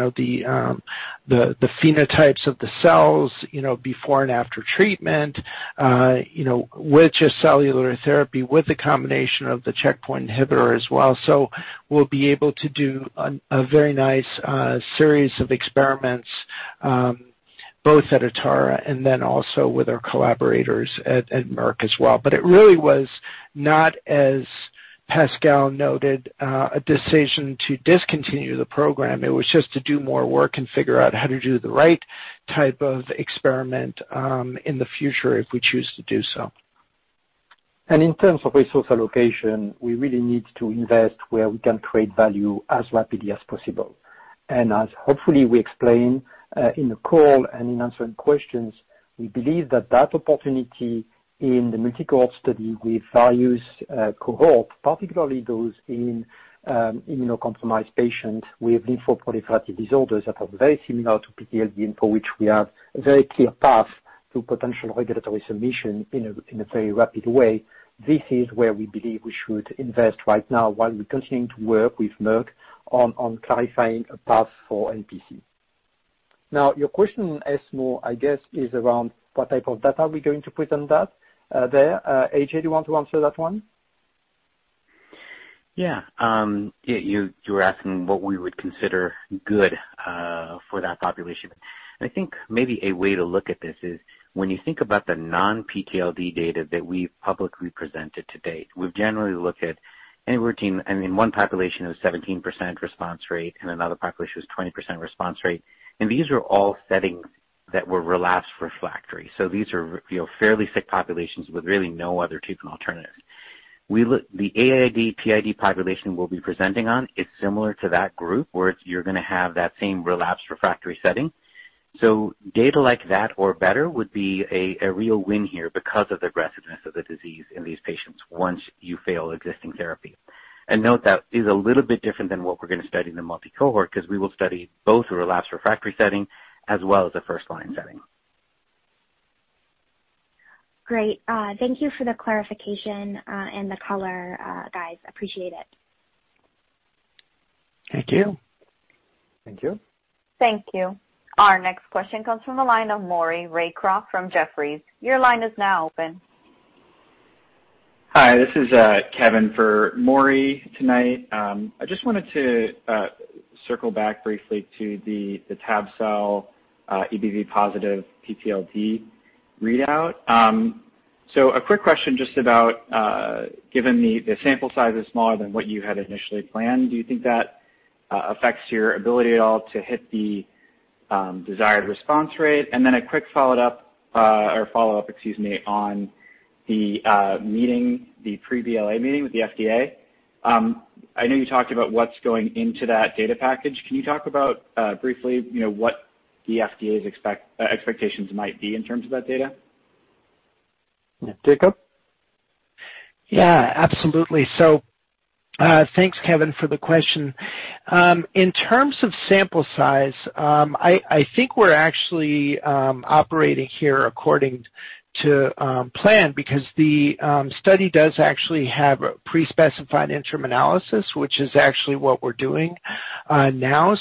phenotypes of the cells before and after treatment with a cellular therapy, with a combination of the checkpoint inhibitor as well. We'll be able to do a very nice series of experiments both at Atara and then also with our collaborators at Merck as well. It really was not, as Pascal noted, a decision to discontinue the program. It was just to do more work and figure out how to do the right type of experiment in the future if we choose to do so. In terms of resource allocation, we really need to invest where we can create value as rapidly as possible. As hopefully we explained in the call and in answering questions, we believe that that opportunity in the multi-cohort study with various Cohort, particularly those in immunocompromised patients with lymphoproliferative disorders that are very similar to PTLD, and for which we have a very clear path to potential regulatory submission in a very rapid way. This is where we believe we should invest right now while we continue to work with Merck on clarifying a path for NPC. Your question, ESMO, I guess, is around what type of data we're going to present there. AJ, do you want to answer that one? Yeah. You're asking what we would consider good for that population. I think maybe a way to look at this is when you think about the non-PTLD data that we've publicly presented to date, we've generally looked at any routine, I mean, one population was 17% response rate, and another population was 20% response rate. These were all settings that were relapsed refractory. These are fairly sick populations with really no other treatment alternative. The AID/PID population we'll be presenting on is similar to that group, where you're going to have that same relapsed refractory setting. Data like that or better would be a real win here because of the aggressiveness of the disease in these patients once you fail existing therapy. Note that is a little bit different than what we're going to study in the multi-cohort, because we will study both the relapsed refractory setting as well as the first-line setting. Great. Thank you for the clarification and the color, guys. Appreciate it. Thank you. Thank you. Thank you. Our next question comes from the line of Maury Raycroft from Jefferies. Your line is now open. Hi, this is Kevin for Maury tonight. I just wanted to circle back briefly to the tab-cel EBV positive PTLD readout. A quick question just about, given the sample size is smaller than what you had initially planned, do you think that affects your ability at all to hit the desired response rate? A quick follow-up on the pre-BLA meeting with the FDA. I know you talked about what's going into that data package. Can you talk about briefly what the FDA's expectations might be in terms of that data? Jakob? Yeah, absolutely. Thanks, Kevin, for the question. In terms of sample size, I think we're actually operating here according to plan because the study does actually have a pre-specified interim analysis, which is actually what we're doing now.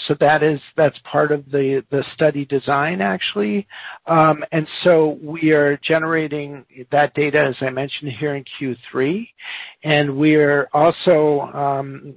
That's part of the study design, actually. We are generating that data, as I mentioned, here in Q3, and we're also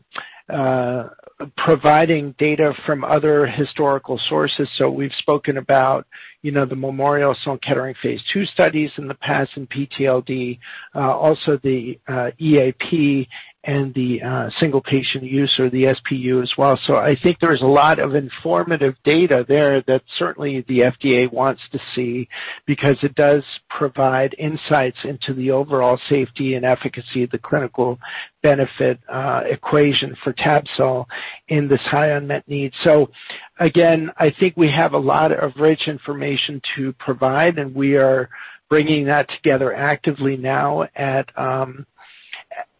providing data from other historical sources. We've spoken about the Memorial Sloan Kettering phase II studies in the past in PTLD, also the EAP and the single patient use or the SPU as well. I think there's a lot of informative data there that certainly the FDA wants to see, because it does provide insights into the overall safety and efficacy of the clinical benefit equation for Tabcel in this high unmet need. Again, I think we have a lot of rich information to provide, and we are bringing that together actively now at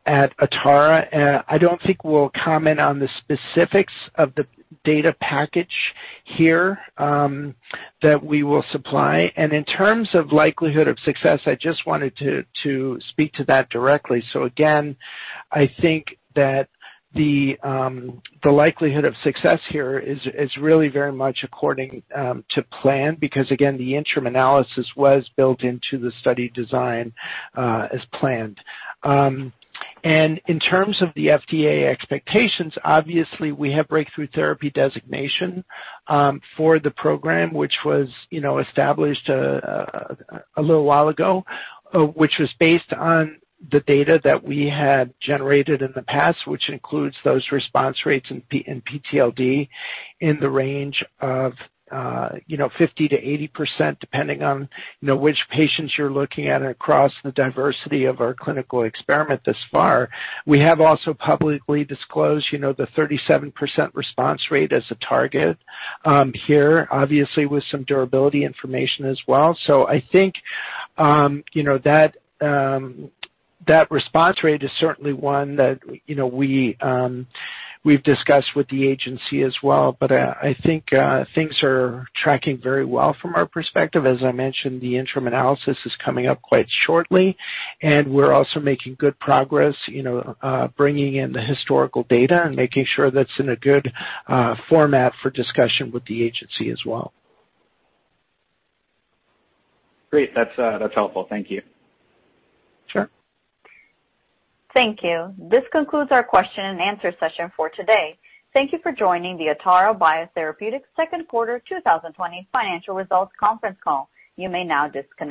Atara. I don't think we'll comment on the specifics of the data package here that we will supply. In terms of likelihood of success, I just wanted to speak to that directly. Again, I think that the likelihood of success here is really very much according to plan, because again, the interim analysis was built into the study design as planned. In terms of the FDA expectations, obviously, we have breakthrough therapy designation for the program, which was established a little while ago, which was based on the data that we had generated in the past, which includes those response rates in PTLD in the range of 50% to 80%, depending on which patients you're looking at across the diversity of our clinical experiment thus far. We have also publicly disclosed the 37% response rate as a target here, obviously with some durability information as well. I think that response rate is certainly one that we've discussed with the agency as well. I think things are tracking very well from our perspective. As I mentioned, the interim analysis is coming up quite shortly and we're also making good progress bringing in the historical data and making sure that's in a good format for discussion with the agency as well. Great. That's helpful. Thank you. Sure. Thank you. This concludes our question and answer session for today. Thank you for joining the Atara Biotherapeutics second quarter 2020 financial results conference call. You may now disconnect.